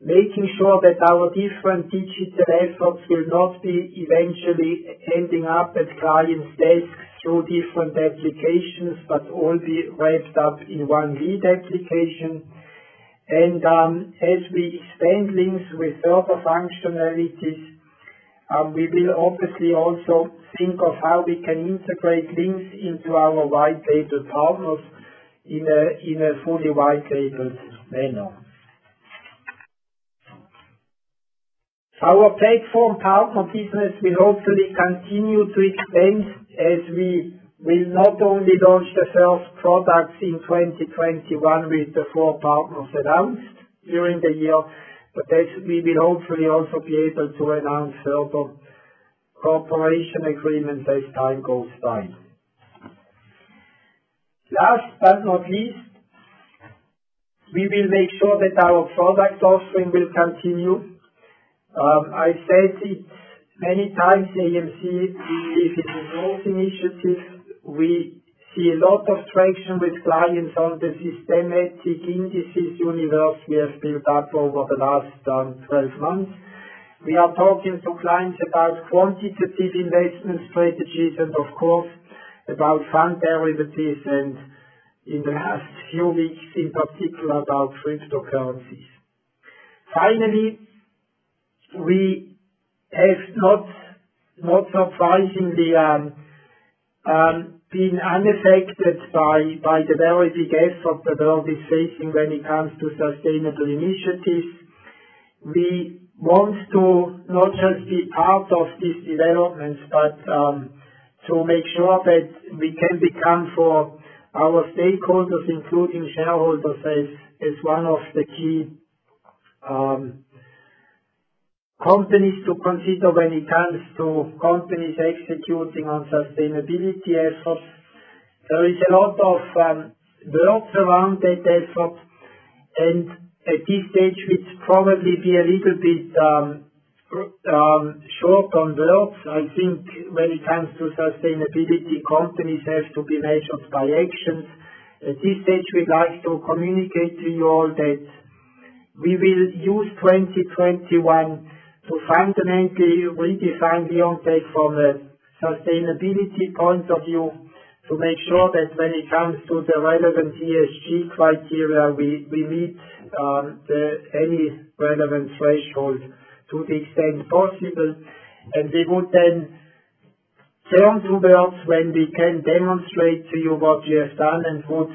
making sure that our different digital efforts will not be eventually ending up at clients' desks through different applications, but all be wrapped up in one lead application. As we expand LYNQS with further functionalities, we will obviously also think of how we can integrate LYNQS into our white label partners in a fully white labeled manner. Our platform partner business will hopefully continue to expand, as we will not only launch the first products in 2021 with the four partners announced during the year, but we will hopefully also be able to announce further cooperation agreements as time goes by. Last but not least, we will make sure that our product offering will continue. I've said it many times, AMC, we believe in those initiatives. We see a lot of traction with clients on the systematic indices universe we have built up over the last 12 months. We are talking to clients about quantitative investment strategies and, of course, about fund derivatives and in the last few weeks, in particular, about cryptocurrencies. We have not surprisingly been unaffected by the very big heads-up the world is facing when it comes to sustainable initiatives. We want to not just be part of these developments, but to make sure that we can become, for our stakeholders, including shareholders, as one of the key companies to consider when it comes to companies executing on sustainability efforts. There is a lot of words around that effort, and at this stage, we'd probably be a little bit short on words. I think when it comes to sustainability, companies have to be measured by actions. At this stage, we'd like to communicate to you all that we will use 2021 to fundamentally redefine Leonteq from a sustainability point of view, to make sure that when it comes to the relevant ESG criteria, we meet any relevant threshold to the extent possible. We would then turn to words when we can demonstrate to you what we have done and would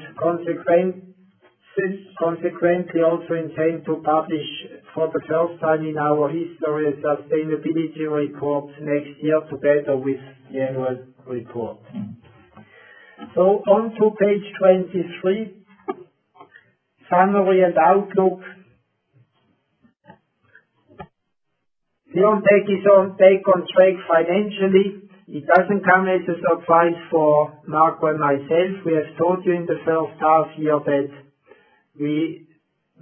consequently also intend to publish for the first time in our history, a sustainability report next year together with the annual report. On to page 23, summary and outlook. Leonteq is on track financially. It doesn't come as a surprise for Marco and myself. We have told you in the first half year that we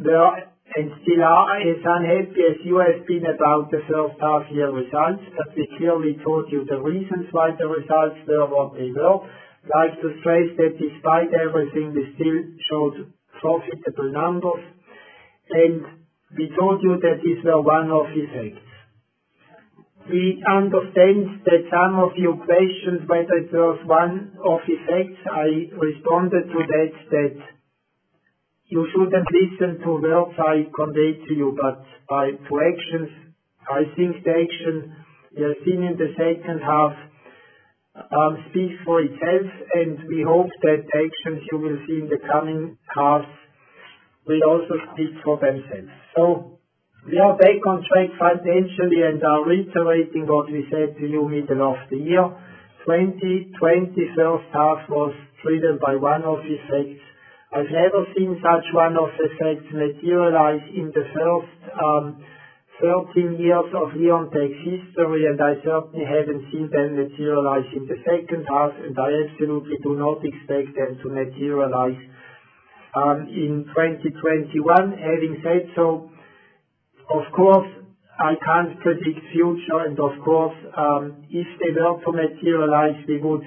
were and still are as unhappy as you have been about the first half year results. We clearly told you the reasons why the results were what they were. We'd like to stress that despite everything, we still showed profitable numbers. We told you that these were one-off effects. We understand that some of you questioned whether it was one-off effects. I responded to that you shouldn't listen to words I convey to you, but to actions. I think the action we are seeing in the second half speaks for itself, and we hope that the actions you will see in the coming half will also speak for themselves. We are back on track financially and are reiterating what we said to you middle of the year. 2020 first half was driven by one-off effects. I've never seen such one-off effects materialize in the first 13 years of Leonteq's history, and I certainly haven't seen them materialize in the second half, and I absolutely do not expect them to materialize in 2021. Having said so, of course, I can't predict future and of course, if they were to materialize, we would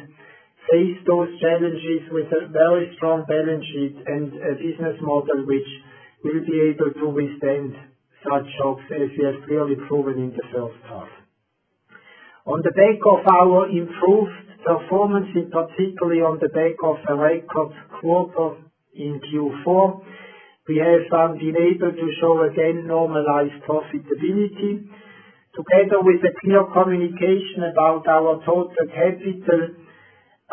face those challenges with a very strong balance sheet and a business model which will be able to withstand such shocks as we have clearly proven in the first half. On the back of our improved performance, particularly on the back of a record quarter in Q4, we have been able to show again normalized profitability. Together with the clear communication about our total capital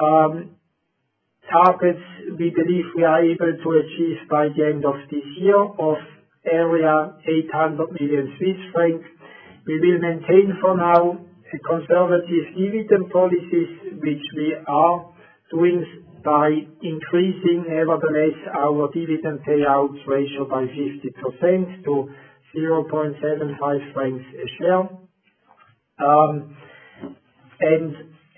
targets, we believe we are able to achieve by the end of this year of area 800 million Swiss francs. We will maintain for now a conservative dividend policy, which we are doing by increasing, nevertheless, our dividend payouts ratio by 50% to 0.75 francs a share.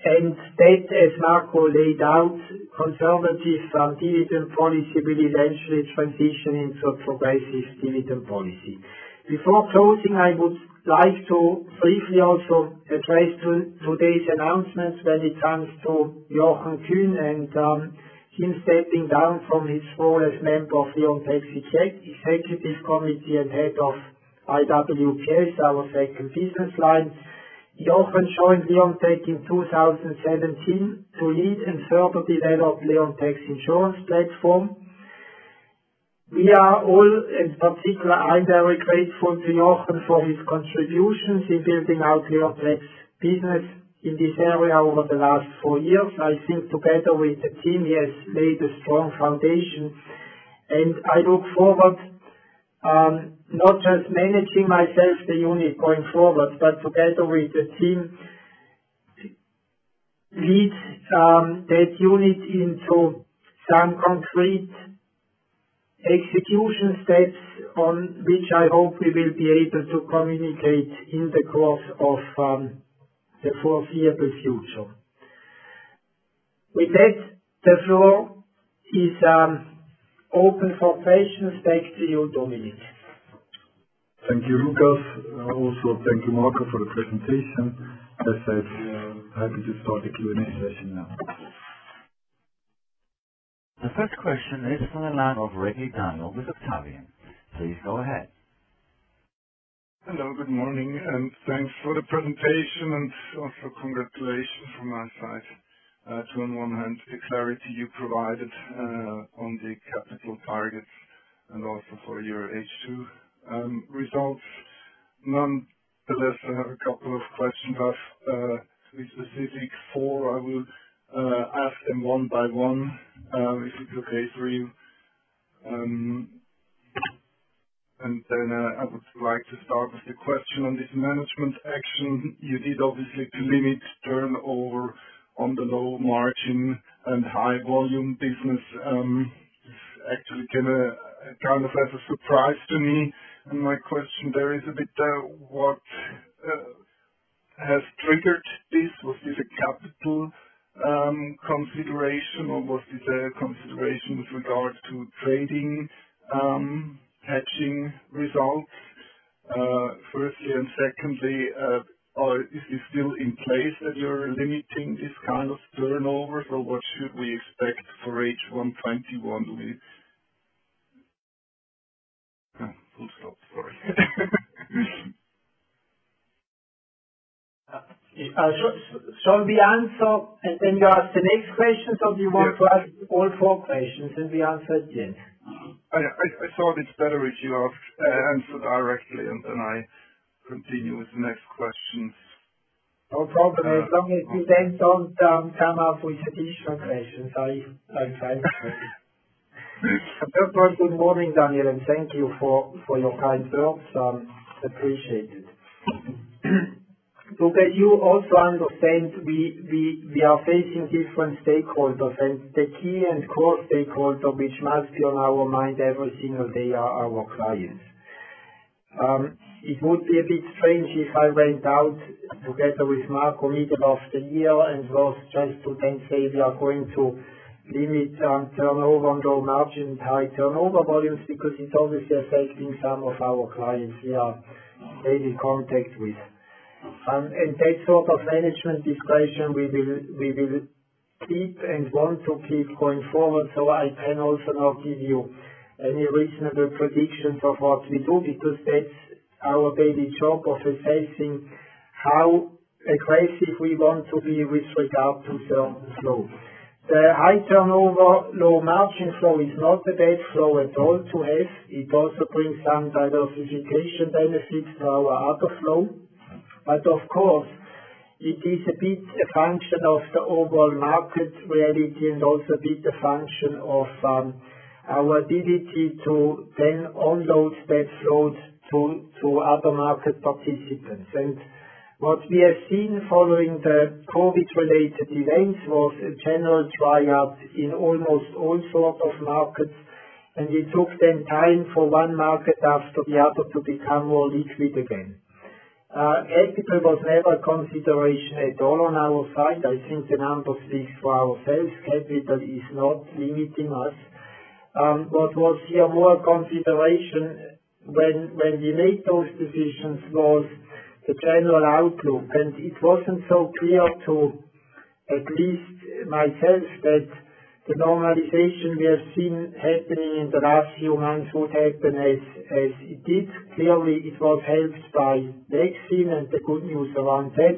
That, as Marco laid out, conservative dividend policy will eventually transition into a progressive dividend policy. Before closing, I would like to briefly also address today's announcements when it comes to Jochen Kühn and him stepping down from his role as member of Leonteq's executive committee and head of IWPS, our second business line. Jochen joined Leonteq in 2017 to lead and further develop Leonteq's insurance platform. We are all, in particular, I'm very grateful to Jochen for his contributions in building out Leonteq's business in this area over the last four years. I think together with the team, he has laid a strong foundation, and I look forward, not just managing myself the unit going forward, but together with the team, lead that unit into some concrete execution steps on which I hope we will be able to communicate in the course of the foreseeable future. With that, the floor is open for questions. Back to you, Dominik. Thank you, Lukas. Also thank you, Marco, for the presentation. Happy to start the Q&A session now. The first question is on the line of Regli Daniel with Octavian. Please go ahead. Hello, good morning, thanks for the presentation and also congratulations from my side to, on one hand, the clarity you provided on the capital targets and also for your H2 results. Nonetheless, I have a couple of questions. I have three specifics. Four, I will ask them one by one, if it's okay for you. Then I would like to start with a question on this management action. You did obviously limit turnover on the low margin and high volume business. It actually came as a surprise to me, and my question there is a bit, what has triggered this? Was this a capital consideration, or was it a consideration with regard to trading hedging results, firstly? Secondly, is this still in place that you're limiting this kind of turnover, so what should we expect for H1 2021? Shall we answer, and then you ask the next question? Do you want to ask all four questions, and we answer at the end? I thought it's better if you answer directly, and then I continue with the next questions. No problem. As long as you then don't come up with additional questions. I'm fine with that. First of all, good morning, Daniel, and thank you for your kind words. Appreciate it. That you also understand, we are facing different stakeholders, and the key and core stakeholder which must be on our mind every single day are our clients. It would be a bit strange if I went out together with Marco mid of the year and just to then say we are going to limit turnover on low margin, high turnover volumes, because it's obviously affecting some of our clients we are daily contact with. That sort of management discretion we will keep and want to keep going forward, so I can also not give you any reasonable predictions of what we do, because that's our daily job of assessing how aggressive we want to be with regard to certain flow. The high turnover, low margin flow is not a bad flow at all to us. It also brings some diversification benefits to our other flow. Of course, it is a bit a function of the overall market reality and also bit a function of our ability to then unload that flow to other market participants. What we have seen following the COVID-related events was a general dry up in almost all sort of markets, and it took them time for one market thus to be able to become more liquid again. Capital was never a consideration at all on our side. I think enough of this for ourselves. Capital is not limiting us. What was here more a consideration when we made those decisions was the general outlook. It wasn't so clear to at least myself that the normalization we are seeing happening in the last few months would happen as it did. Clearly, it was helped by vaccine and the good news around that.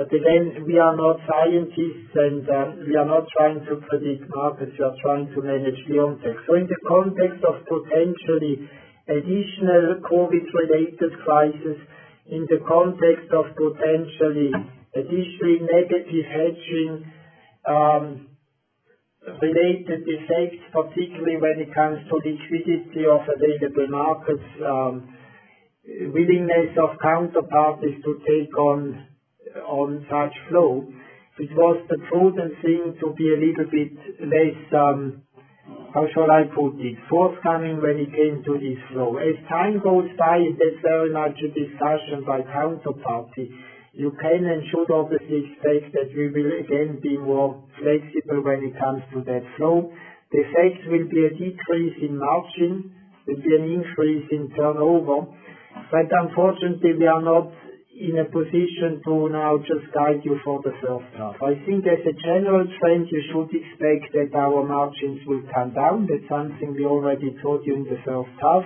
Again, we are not scientists, and we are not trying to predict markets. We are trying to manage Leonteq. In the context of potentially additional COVID-related crises, in the context of potentially additionally negative hedging-related effects, particularly when it comes to liquidity of available markets, willingness of counterparties to take on such flow, it was the prudent thing to be a little bit less, how shall I put it, forthcoming when it came to this flow. As time goes by, that's very much a discussion by counterparty. You can and should obviously expect that we will again be more flexible when it comes to that flow. The effect will be a decrease in margin. There'll be an increase in turnover. Unfortunately, we are not in a position to now just guide you for the first half. I think as a general trend, you should expect that our margins will come down. That's something we already told you in the first half.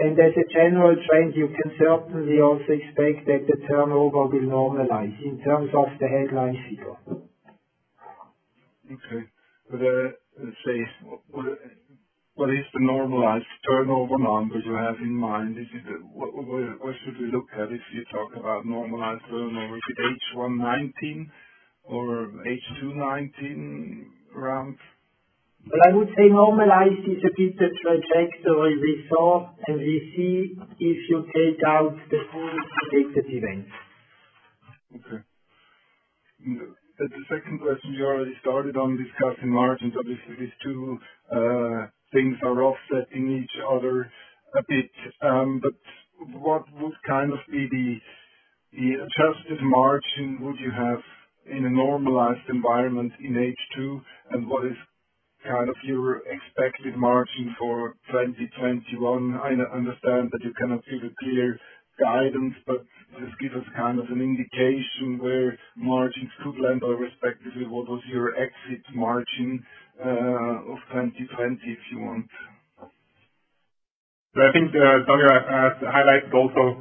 As a general trend, you can certainly also expect that the turnover will normalize in terms of the headline figure. Okay. What is the normalized turnover numbers you have in mind? What should we look at if you talk about normalized turnover? Is it H1 2019 or H2 2019 rounds? Well, I would say normalized is a bit the trajectory we saw and we see if you take out the whole COVID event. Okay. The second question, you already started on discussing margins. Obviously, these two things are offsetting each other a bit. What would be the adjusted margin would you have in a normalized environment in H2? What is your expected margin for 2021? I understand that you cannot give a clear guidance, but just give us an indication where margins could land or respectively, what was your exit margin of 2020, if you want. I think, Daniel, as highlighted also,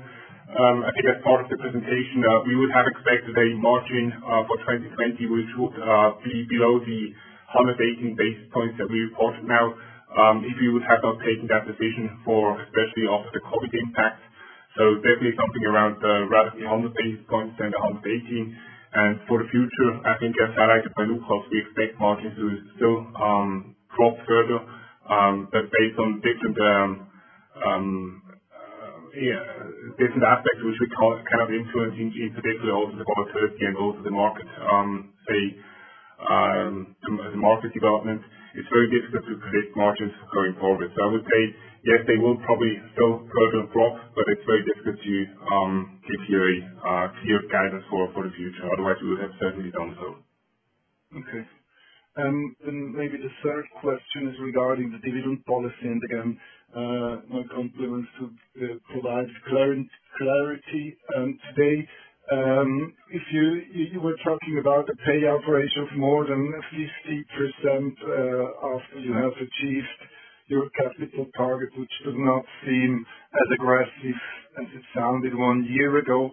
I think as part of the presentation, we would have expected a margin for 2020 which would be below the 100 basis points that we reported now if we would have not taken that decision for especially after the COVID impact. Definitely something around roughly 100 basis points and 118. For the future, I think as highlighted by Lukas, we expect margins to still drop further, but based on different aspects which we can't influence, in particular also the volatility and also the market development. It's very difficult to predict margins going forward. I would say, yes, they will probably still further drop, but it's very difficult to give you a clear guidance for the future. Otherwise, we would have certainly done so. Okay. Then maybe the third question is regarding the dividend policy. Again, my compliments to provide clarity today. You were talking about a payout ratio of more than at least 50% after you have achieved your capital target, which does not seem as aggressive as it sounded one year ago.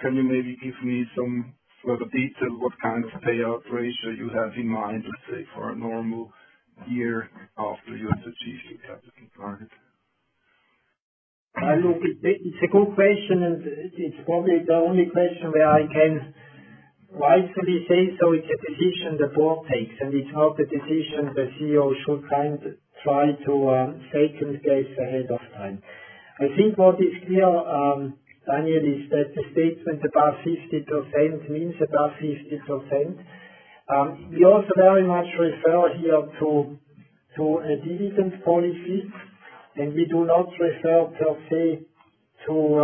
Can you maybe give me some further detail what kind of payout ratio you have in mind, let's say, for a normal year after you have achieved your capital target? It's a good question, and it's probably the only question where I can rightfully say, so it's a decision the board takes, and it's not a decision the Chief Executive Officer should try to second-guess ahead of time. I think what is clear, Daniel, is that the statement about 50% means about 50%. We also very much refer here to a dividend policy, and we do not refer per se to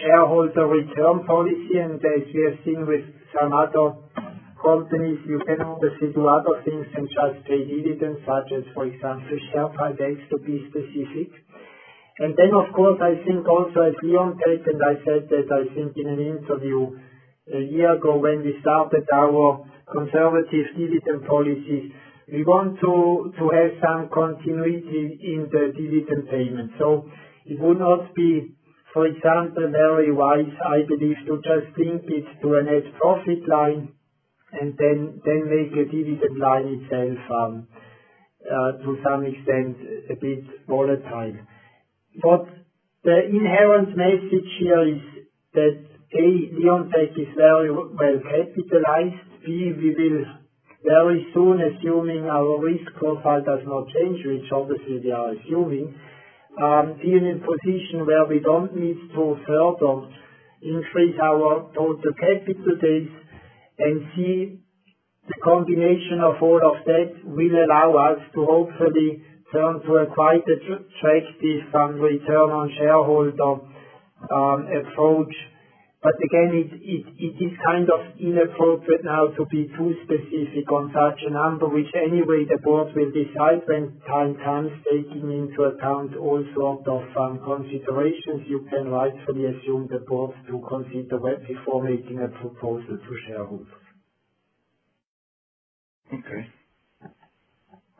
shareholder return policy. As you have seen with some other companies, you can obviously do other things than just pay dividends, such as, for example, share buybacks, to be specific. Then, of course, I think also at Leonteq, and I said that I think in an interview a year ago when we started our conservative dividend policy, we want to have some continuity in the dividend payment. It would not be, for example, very wise, I believe, to just link it to a net profit line and then make the dividend line itself to some extent a bit volatile. The inherent message here is that, A, Leonteq is very well capitalized. B, we will very soon, assuming our risk profile does not change, which obviously we are assuming, be in a position where we don't need to further increase our total capital base. C, the combination of all of that will allow us to hopefully turn to a quite a attractive return on shareholder approach. Again, it is kind of inappropriate now to be too specific on such a number, which anyway the board will decide when time comes, taking into account all sort of considerations you can rightfully assume the board to consider before making a proposal to shareholders. Okay.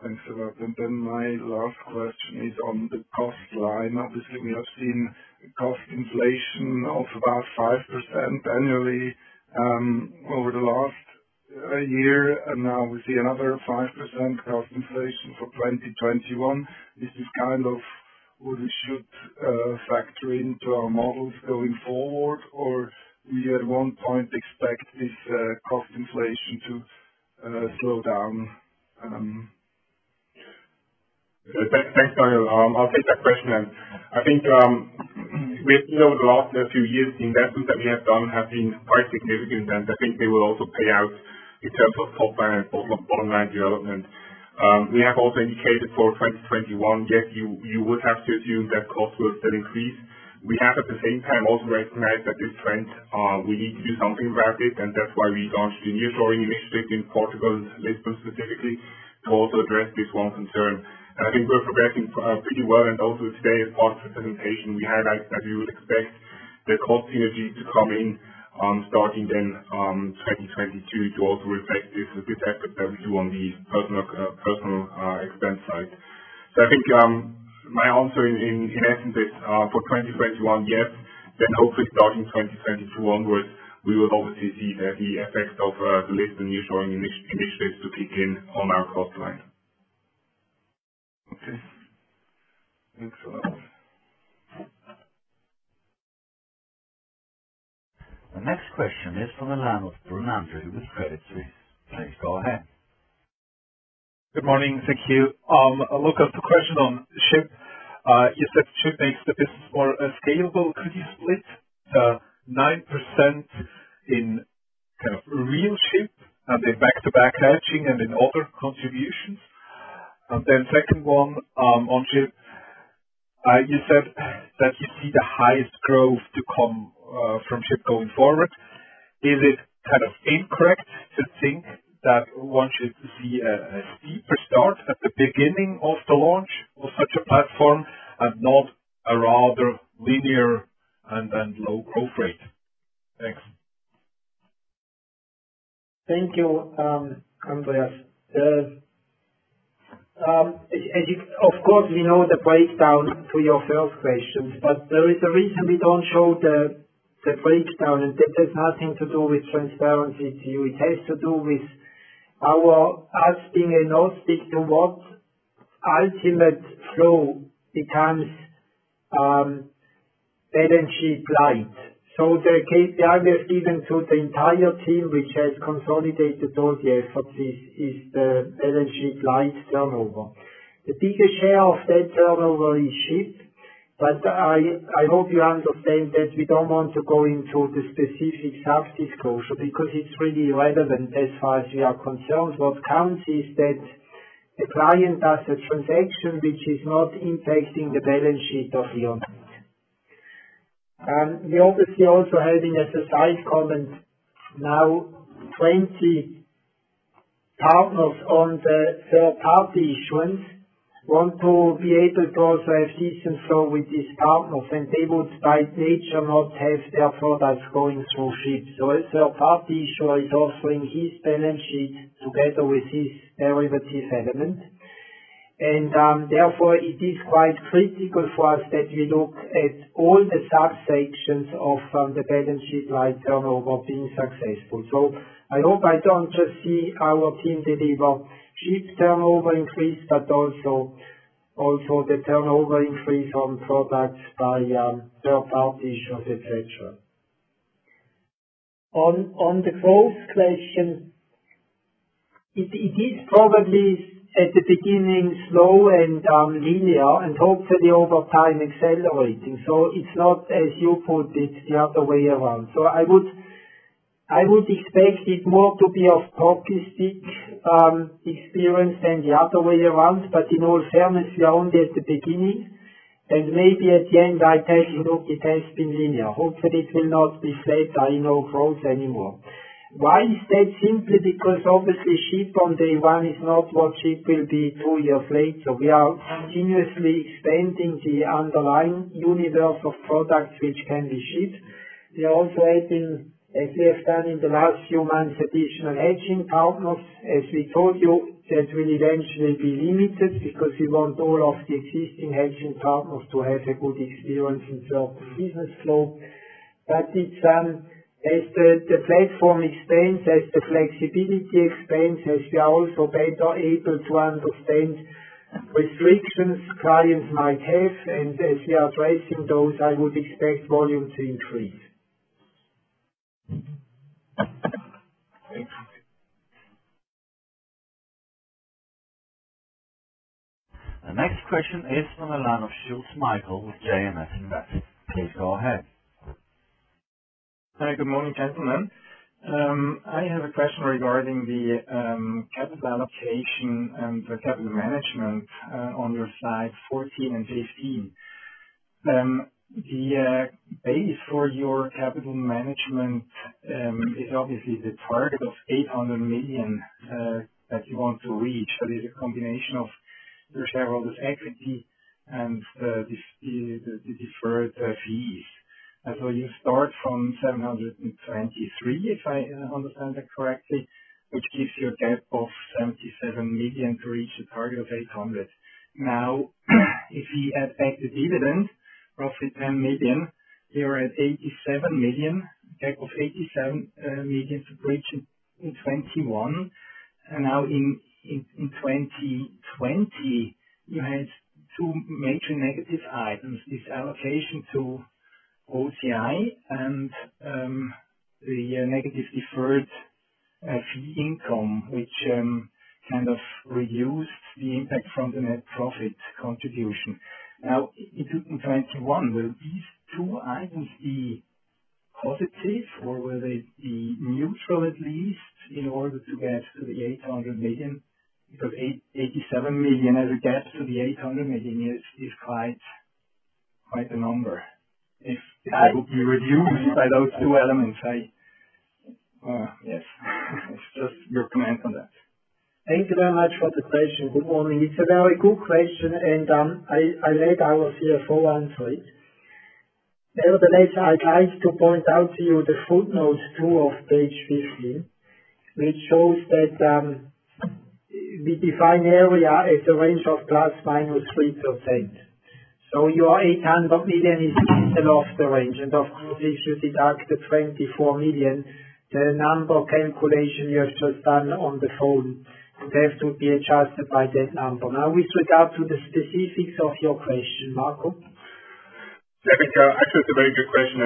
Thanks for that. My last question is on the cost line. Obviously, we have seen cost inflation of about 5% annually over the last year, and now we see another 5% cost inflation for 2021. Is this kind of what we should factor into our models going forward, or we at one point expect this cost inflation to slow down? Thanks, Daniel. I'll take that question. I think we've seen over the last few years, the investments that we have done have been quite significant, and I think they will also pay out in terms of top line development. We have also indicated for 2021, yes, you would have to assume that costs will still increase. We have, at the same time, also recognized that this trend, we need to do something about it, and that's why we launched the nearshoring initiative in Portugal and Lisbon specifically to also address this one concern. I think we're progressing pretty well, and also today as part of the presentation, we highlight that you would expect. They're continuously to come in, starting 2022 to also reflect this effect that we do on the personal expense side. I think my answer in essence is for 2021, yes, hopefully starting 2022 onwards, we will obviously see the effects of the Lisbon nearshoring initiatives to kick in on our cost line. Okay, thanks a lot. The next question is from the line of Andreas Brun with Credit Suisse. Please go ahead. Good morning. Thank you. A look at the question on SHIP. You said SHIP makes the business more scalable. Could you split the 9% in kind of real SHIP and then back-to-back hedging and then other contributions? Second one on SHIP, you said that you see the highest growth to come from SHIP going forward. Is it kind of incorrect to think that one should see a steeper start at the beginning of the launch of such a platform and not a rather linear and then low growth rate? Thanks. Thank you, Andreas. Of course, we know the breakdown to your first question, there is a reason we don't show the breakdown, and that has nothing to do with transparency to you. It has to do with us being agnostic to what ultimate flow becomes balance sheet light. The KPI we have given to the entire team, which has consolidated all the efforts, is the balance sheet light turnover. The bigger share of that turnover is SHIP. I hope you understand that we don't want to go into the specific sub-disclosure because it's really relevant as far as we are concerned. What counts is that the client does a transaction which is not impacting the balance sheet of Leonteq. We obviously also having as a side comment now, 20 partners on the third-party issuance want to be able to also have season flow with these partners, and they would by nature not have their products going through SHIP. A third-party issuer is offering his balance sheet together with his derivative element. Therefore, it is quite critical for us that we look at all the subsections of the balance sheet light turnover being successful. I hope I don't just see our team deliver SHIP turnover increase, but also the turnover increase on products by third-party issuers, et cetera. On the growth question, it is probably at the beginning slow and linear and hopefully over time accelerating. It's not, as you put it, the other way around. I would expect it more to be a stochastic experience than the other way around. In all fairness, we are only at the beginning, and maybe at the end, I tell you, "Look, it has been linear." Hopefully, it will not be flat or no growth anymore. Why is that? Simply because obviously SHIP on day one is not what SHIP will be two years later. We are continuously expanding the underlying universe of products which can be shipped. We are also adding, as we have done in the last few months, additional hedging partners. As we told you, that will eventually be limited because we want all of the existing hedging partners to have a good experience in terms of business flow. As the platform expands, as the flexibility expands, as we are also better able to understand restrictions clients might have, and as we are addressing those, I would expect volume to increase. Thank you. The next question is from the line of Michael Schulz with JMS Investment AG. Please go ahead. Hi, good morning, gentlemen. I have a question regarding the capital allocation and the capital management on your slide 14 and 15. The base for your capital management is obviously the target of 800 million that you want to reach. That is a combination of your shareholders' equity and the deferred fees. You start from 723, if I understand that correctly, which gives you a gap of 77 million to reach a target of 800. If we add back the dividend, roughly 10 million, you're at 87 million, a gap of 87 million to breach in 2021. In 2020, you had two major negative items, this allocation to OCI and the negative deferred fee income, which kind of reduced the impact from the net profit contribution. In 2021, will these two items be positive, or will they be neutral, at least, in order to get to the 800 million? 87 million as a gap to the 800 million is quite a number. Oh, yes. It's just your comment on that. Thank you very much for the question. Good morning. It's a very good question. I let our Chief Financial Officer answer it. Nevertheless, I'd like to point out to you the footnote two of page 15, which shows that we define area as a range of ±3%. Your 800 million is still off the range. Of course, if you deduct the 24 million, the number calculation you have just done on the phone, that would be adjusted by that number. With regard to the specifics of your question, Marco. Thank you. Actually, it's a very good question.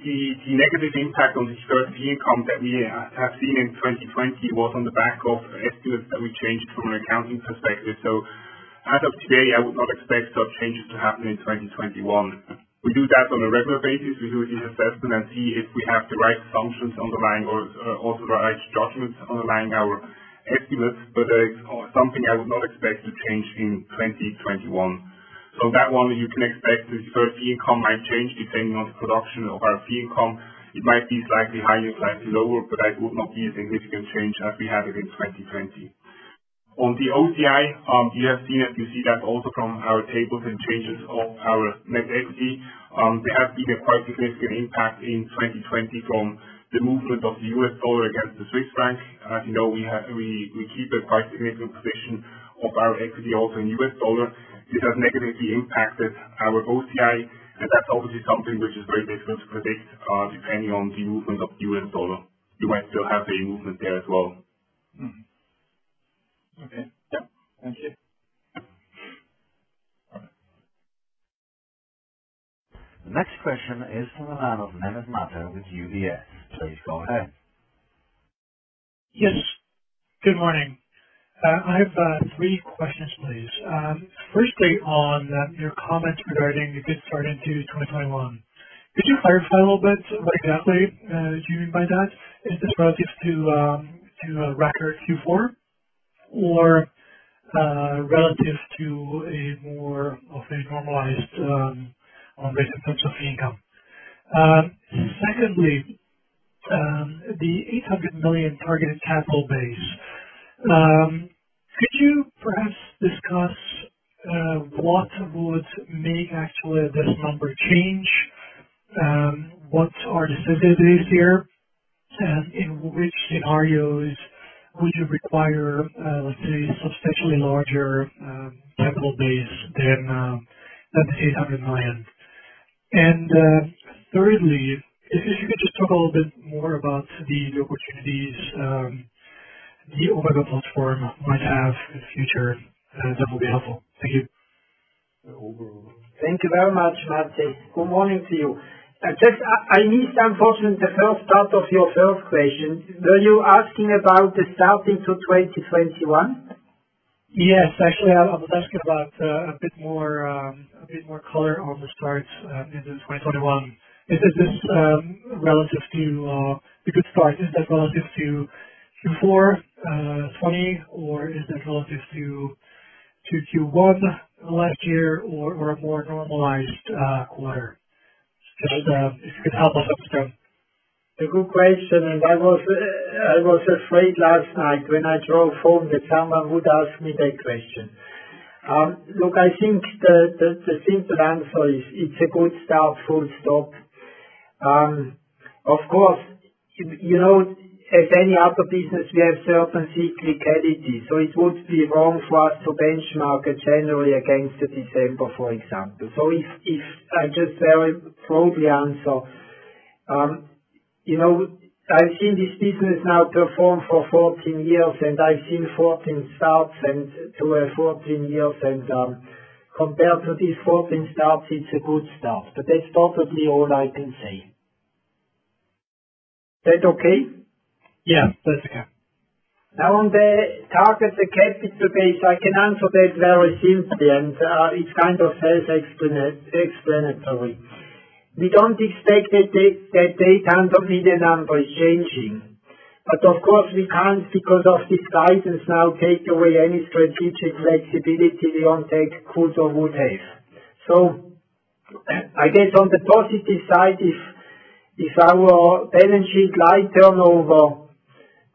The negative impact on the income that we have seen in 2020 was on the back of estimates that we changed from an accounting perspective. As of today, I would not expect such changes to happen in 2021. We do that on a regular basis. We do the assessment and see if we have the right assumptions underlying or authorized judgments underlying our estimates. That is something I would not expect to change in 2021. That one, you can expect deferred fee income might change depending on the production of our fee income. It might be slightly higher, slightly lower, but that would not be a significant change as we had it in 2020. On the OCI, you have seen that, you see that also from our tables and changes of our net equity. There has been a quite significant impact in 2020 from the movement of the U.S dollar against the Swiss franc. As you know, we keep a quite significant position of our equity also in U.S dollar. This has negatively impacted our OCI, and that's obviously something which is very difficult to predict, depending on the movement of the U.S dollar. You might still have a movement there as well. Okay. Yeah. Thank you. All right. Next question is from the line of Mateusz Dykacz with UBS. Please go ahead. Yes. Good morning. I have three questions, please. Firstly, on your comments regarding a good start into 2021. Could you clarify a little bit what exactly do you mean by that? Is this relative to a record Q4 or relative to a more of a normalized, on basis in terms of income? Secondly, the 800 million targeted capital base. Could you perhaps discuss what would make actually this number change? What are the sensitivities here? In which scenarios would you require, let's say, a substantially larger capital base than this 800 million? Thirdly, if you could just talk a little bit more about the opportunities the Omega platform might have in the future, that would be helpful. Thank you. Thank you very much, Mateusz. Good morning to you. Just, I missed, unfortunately, the first part of your first question. Were you asking about the start into 2021? Yes. Actually, I was asking about a bit more color on the start into 2021. Is this relative to the good start, is that relative to Q4 2020, or is that relative to Q1 last year or a more normalized quarter? Just if you could help us understand. A good question. I was afraid last night when I drove home that someone would ask me that question. Look, I think the simple answer is it's a good start, full stop. Of course, as any other business, we have certain cyclicality, so it would be wrong for us to benchmark a January against a December, for example. If I just very broadly answer, I've seen this business now perform for 14 years, and I've seen 14 starts and 12 years, 14 years, and compared to these 14 starts, it's a good start. That's probably all I can say. That okay? Yeah, that's okay. Now, on the target, the capital base, I can answer that very simply, and it's kind of self-explanatory. We don't expect that the CHF 800 million number is changing. Of course, we can't, because of this guidance now, take away any strategic flexibility Leonteq could or would have. I guess on the positive side is, if our balance sheet light turnover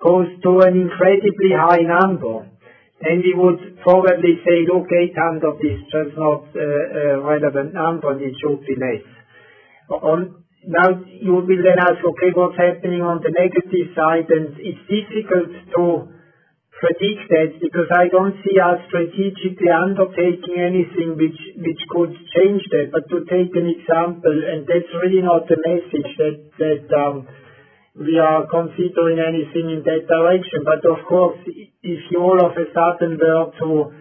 goes to an incredibly high number, then we would probably say, "Okay, 800 is just not a relevant number, and it should be less." Now, you will then ask, "Okay, what's happening on the negative side?" It's difficult to predict that because I don't see us strategically undertaking anything which could change that. To take an example, and that's really not the message that we are considering anything in that direction. Of course, if you all of a sudden were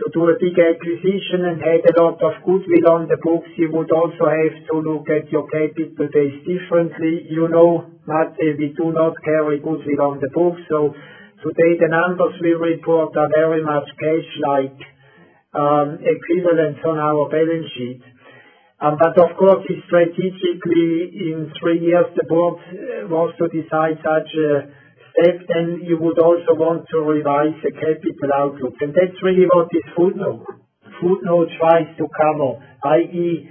to do a big acquisition and had a lot of goodwill on the books, you would also have to look at your capital base differently. You know, Mateusz, we do not carry goodwill on the books. To date, the numbers we report are very much cash-like equivalents on our balance sheet. Of course, if strategically in three years the board was to decide such a step, then you would also want to revise the capital outlook. That's really what this footnote tries to cover, i.e.,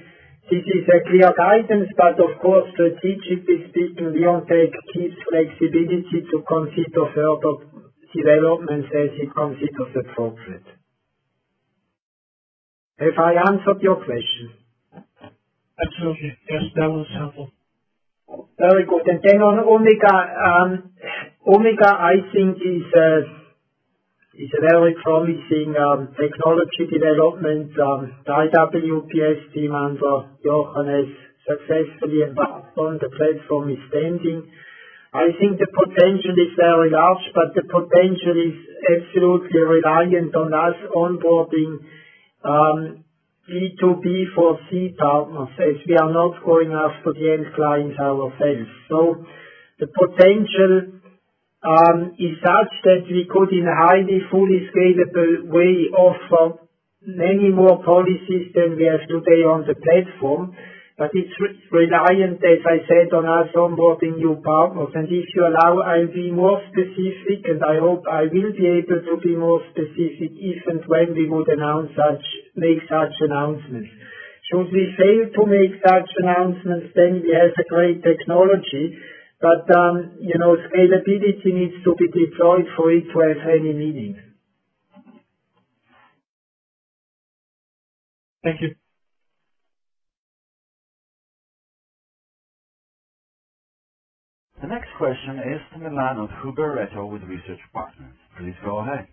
this is a clear guidance, but of course, strategically speaking, Leonteq keeps flexibility to consider further developments as it considers appropriate. Have I answered your question? Absolutely. Yes, that was helpful. Very good. Then on Omega. Omega, I think is a very promising technology development. The IWPS team under Jochen has successfully embarked on the platform is standing. I think the potential is very large, but the potential is absolutely reliant on us onboarding B2B2C partners, as we are not going after the end clients ourselves. The potential is such that we could, in a highly, fully scalable way, offer many more policies than we have today on the platform. It's reliant, as I said, on us onboarding new partners. If you allow, I'll be more specific, and I hope I will be able to be more specific if and when we would make such announcements. Should we fail to make such announcements, then we have a great technology, but scalability needs to be deployed for it to have any meaning. Thank you. The next question is from the line of Reto Huber with Research Partners. Please go ahead.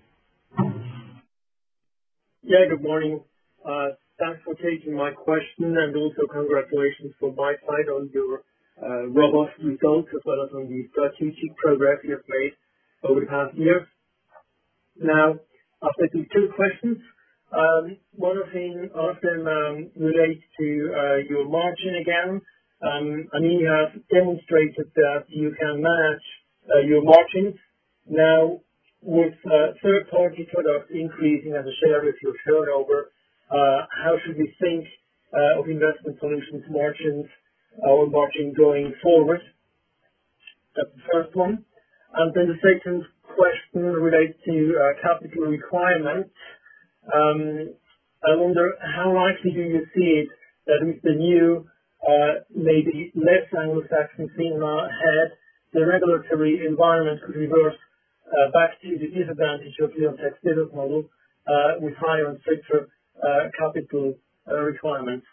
Good morning. Thanks for taking my question, and also congratulations from my side on your robust results as well as on the strategic progress you have made over the past year. I'll take you two questions. One of them relates to your margin again. I mean, you have demonstrated that you can manage your margins. With third-party products increasing as a share of your turnover, how should we think of investment solutions margins or margin going forward? That's the first one. The second question relates to capital requirements. I wonder, how likely do you see it that with the new, maybe less Anglo-Saxon theme now ahead, the regulatory environment could reverse back to the disadvantage of Leonteq business model with higher and stricter capital requirements?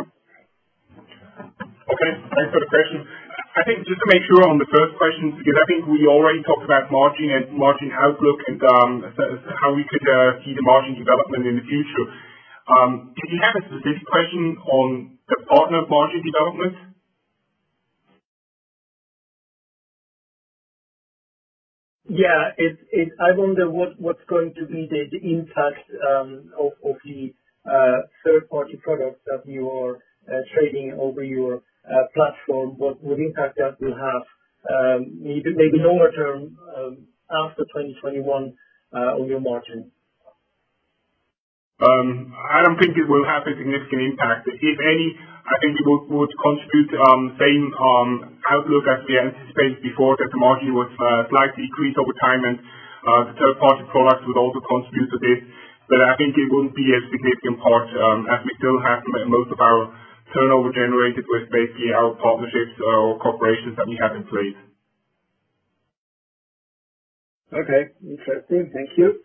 Okay, thanks for the question. I think just to make sure on the first question, because I think we already talked about margin and margin outlook and how we could see the margin development in the future. Did you have a specific question on the partner margin development? Yeah. I wonder what's going to be the impact of the third-party products that you are trading over your platform, what impact that will have, maybe longer term, after 2021, on your margin. I don't think it will have a significant impact. If any, I think it would contribute same outlook as we anticipated before, that the margin would slightly increase over time, and the third-party products would also contribute a bit. I think it won't be a significant part, as we still have most of our turnover generated with basically our partnerships or corporations that we have in place. Okay. Interesting. Thank you.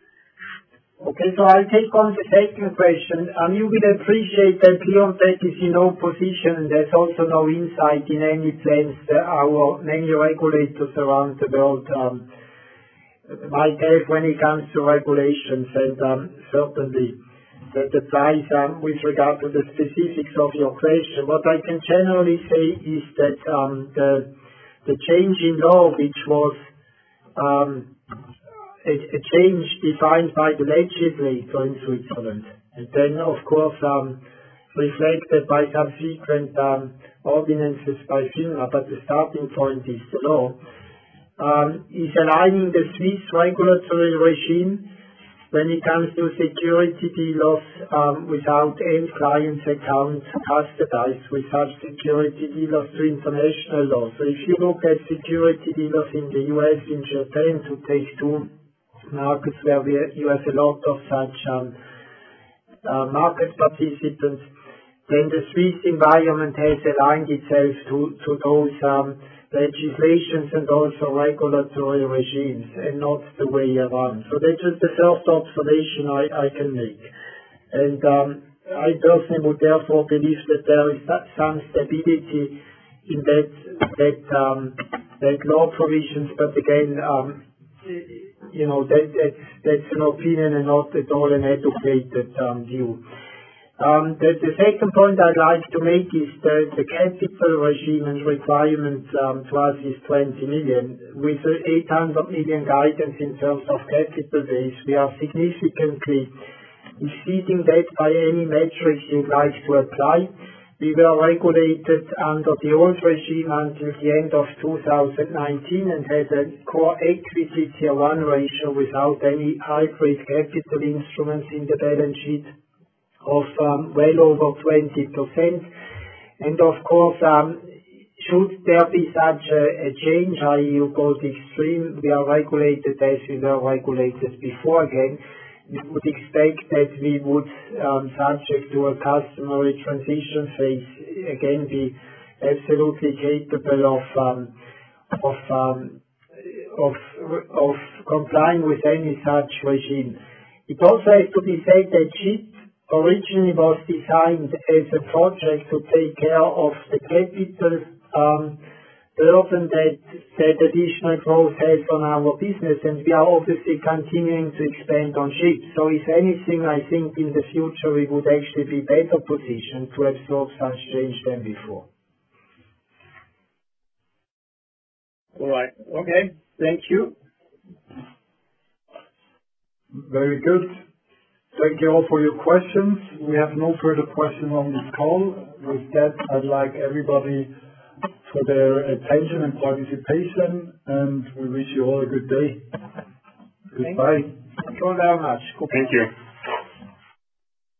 I take on the second question, and you will appreciate that Leonteq is in no position, and there's also no insight in any sense that our many regulators around the world might have when it comes to regulations. Certainly that applies with regard to the specifics of your question. What I can generally say is that the change in law, which was a change defined by the legislature in Switzerland, and then, of course, reflected by subsequent ordinances by FINMA, but the starting point is the law, is aligning the Swiss regulatory regime when it comes to security deals without any client account customized with such security deals to international law. If you look at security deals in the U.S., in Japan, to take two markets where you have a lot of such market participants, then the Swiss environment has aligned itself to those legislations and also regulatory regimes, and not the way around. That is the first observation I can make. I personally would therefore believe that there is some stability in that law provisions. Again, that's an opinion and not at all an educated view. The second point I'd like to make is that the capital regime and requirement to us is 20 million. With the 800 million guidance in terms of capital base, we are significantly exceeding that by any metric you'd like to apply. We were regulated under the old regime until the end of 2019 and had a Core Equity Tier 1 ratio without any high-risk capital instruments in the balance sheet of well over 20%. Of course, should there be such a change, i.e., you go to extreme, we are regulated as we were regulated before again, we would expect that we would, subject to a customary transition phase, again, be absolutely capable of complying with any such regime. It also has to be said that SHIP originally was designed as a project to take care of the capital burden that additional growth has on our business, and we are obviously continuing to expand on SHIP. If anything, I think in the future, we would actually be better positioned to absorb such change than before. All right. Okay. Thank you. Very good. Thank you all for your questions. We have no further questions on this call. With that, I'd like to thank everybody for their attention and participation, and we wish you all a good day. Goodbye. Thank you all very much. Thank you.